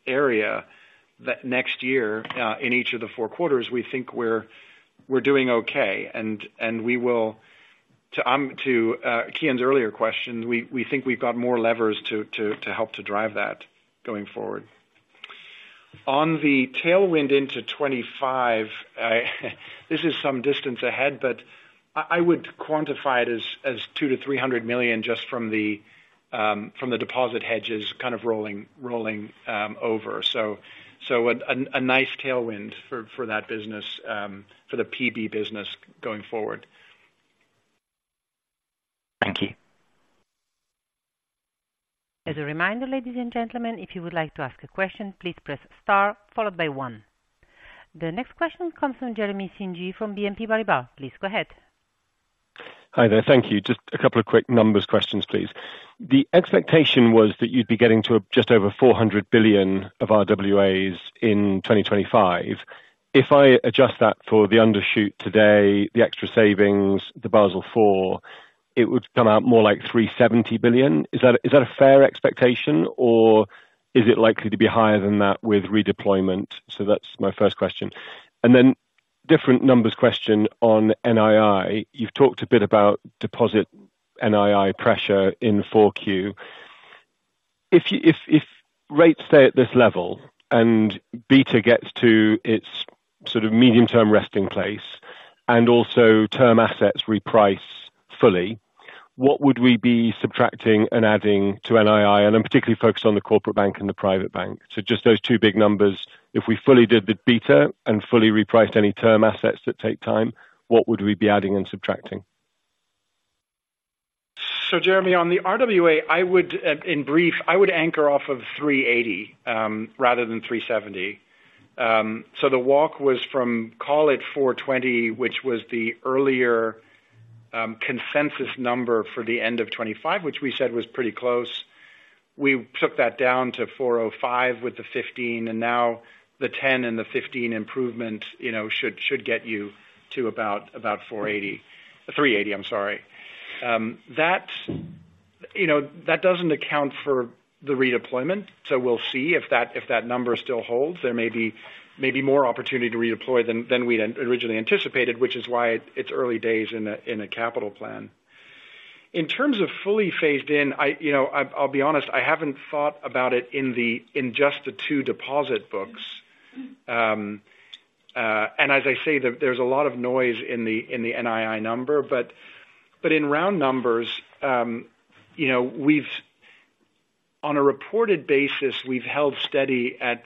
area next year in each of the four quarters, we think we're doing okay. And we will... To Kian's earlier question, we think we've got more levers to help to drive that going forward. On the tailwind into 25, this is some distance ahead, but I would quantify it as 200 million-300 million just from the deposit hedges kind of rolling over. So, a nice tailwind for that business, for the PB business going forward. Thank you. As a reminder, ladies and gentlemen, if you would like to ask a question, please press star followed by one. The next question comes from Jeremy Sigee from BNP Paribas. Please go ahead. Hi there. Thank you. Just a couple of quick numbers questions, please. The expectation was that you'd be getting to just over 400 billion of RWAs in 2025. If I adjust that for the undershoot today, the extra savings, the Basel IV, it would come out more like 370 billion. Is that a fair expectation or is it likely to be higher than that with redeployment? So that's my first question. And then different numbers question on NII. You've talked a bit about deposit NII pressure in 4Q. If rates stay at this level and beta gets to its sort of medium-term resting place and also term assets reprice fully, what would we be subtracting and adding to NII? And I'm particularly focused on the Corporate Bank and the private bank. So just those two big numbers, if we fully did the beta and fully repriced any term assets that take time, what would we be adding and subtracting? So Jeremy, on the RWA, I would, in brief, I would anchor off of 380, rather than 370. So the walk was from, call it 420, which was the earlier consensus number for the end of 2025, which we said was pretty close. We took that down to 405 with the 15, and now the 10 and the 15 improvement, you know, should, should get you to about, about 480. 380, I'm sorry. That, you know, that doesn't account for the redeployment, so we'll see if that, if that number still holds. There may be, may be more opportunity to redeploy than, than we'd originally anticipated, which is why it's early days in a, in a capital plan. In terms of fully phased in. You know, I'll be honest, I haven't thought about it in just the two deposit books. As I say, there's a lot of noise in the NII number, but in round numbers, you know, we've. On a reported basis, we've held steady at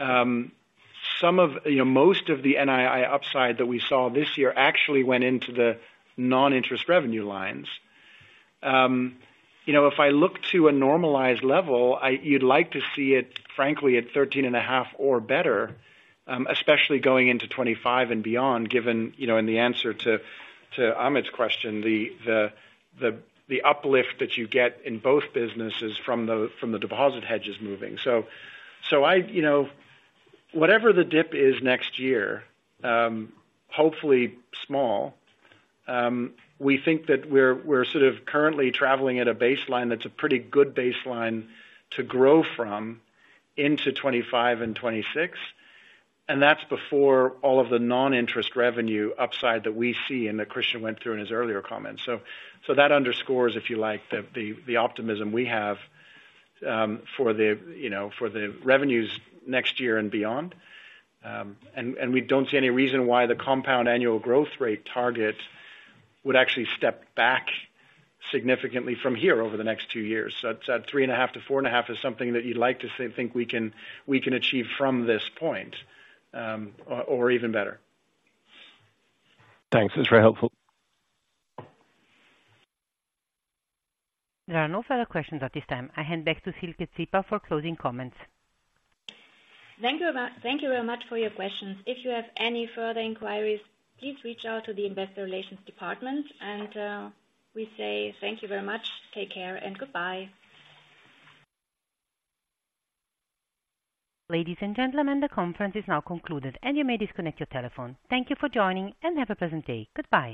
13.5. You know, most of the NII upside that we saw this year actually went into the non-interest revenue lines. You know, if I look to a normalized level, you'd like to see it frankly at 13.5 or better, especially going into 2025 and beyond, given, you know, in the answer to Amit's question, the uplift that you get in both businesses from the deposit hedges moving. So, you know, whatever the dip is next year, hopefully small, we think that we're sort of currently traveling at a baseline that's a pretty good baseline to grow from into 2025 and 2026. And that's before all of the non-interest revenue upside that we see and that Christian went through in his earlier comments. So that underscores, if you like, the optimism we have for the revenues next year and beyond. And we don't see any reason why the compound annual growth rate target would actually step back significantly from here over the next two years. So that 3.5-4.5 is something that you'd like to think we can achieve from this point, or even better. Thanks. That's very helpful. There are no further questions at this time. I hand back to Silke Szypa for closing comments. Thank you very much, thank you very much for your questions. If you have any further inquiries, please reach out to the investor relations department, and we say thank you very much. Take care and goodbye. Ladies and gentlemen, the conference is now concluded, and you may disconnect your telephone. Thank you for joining, and have a pleasant day. Goodbye.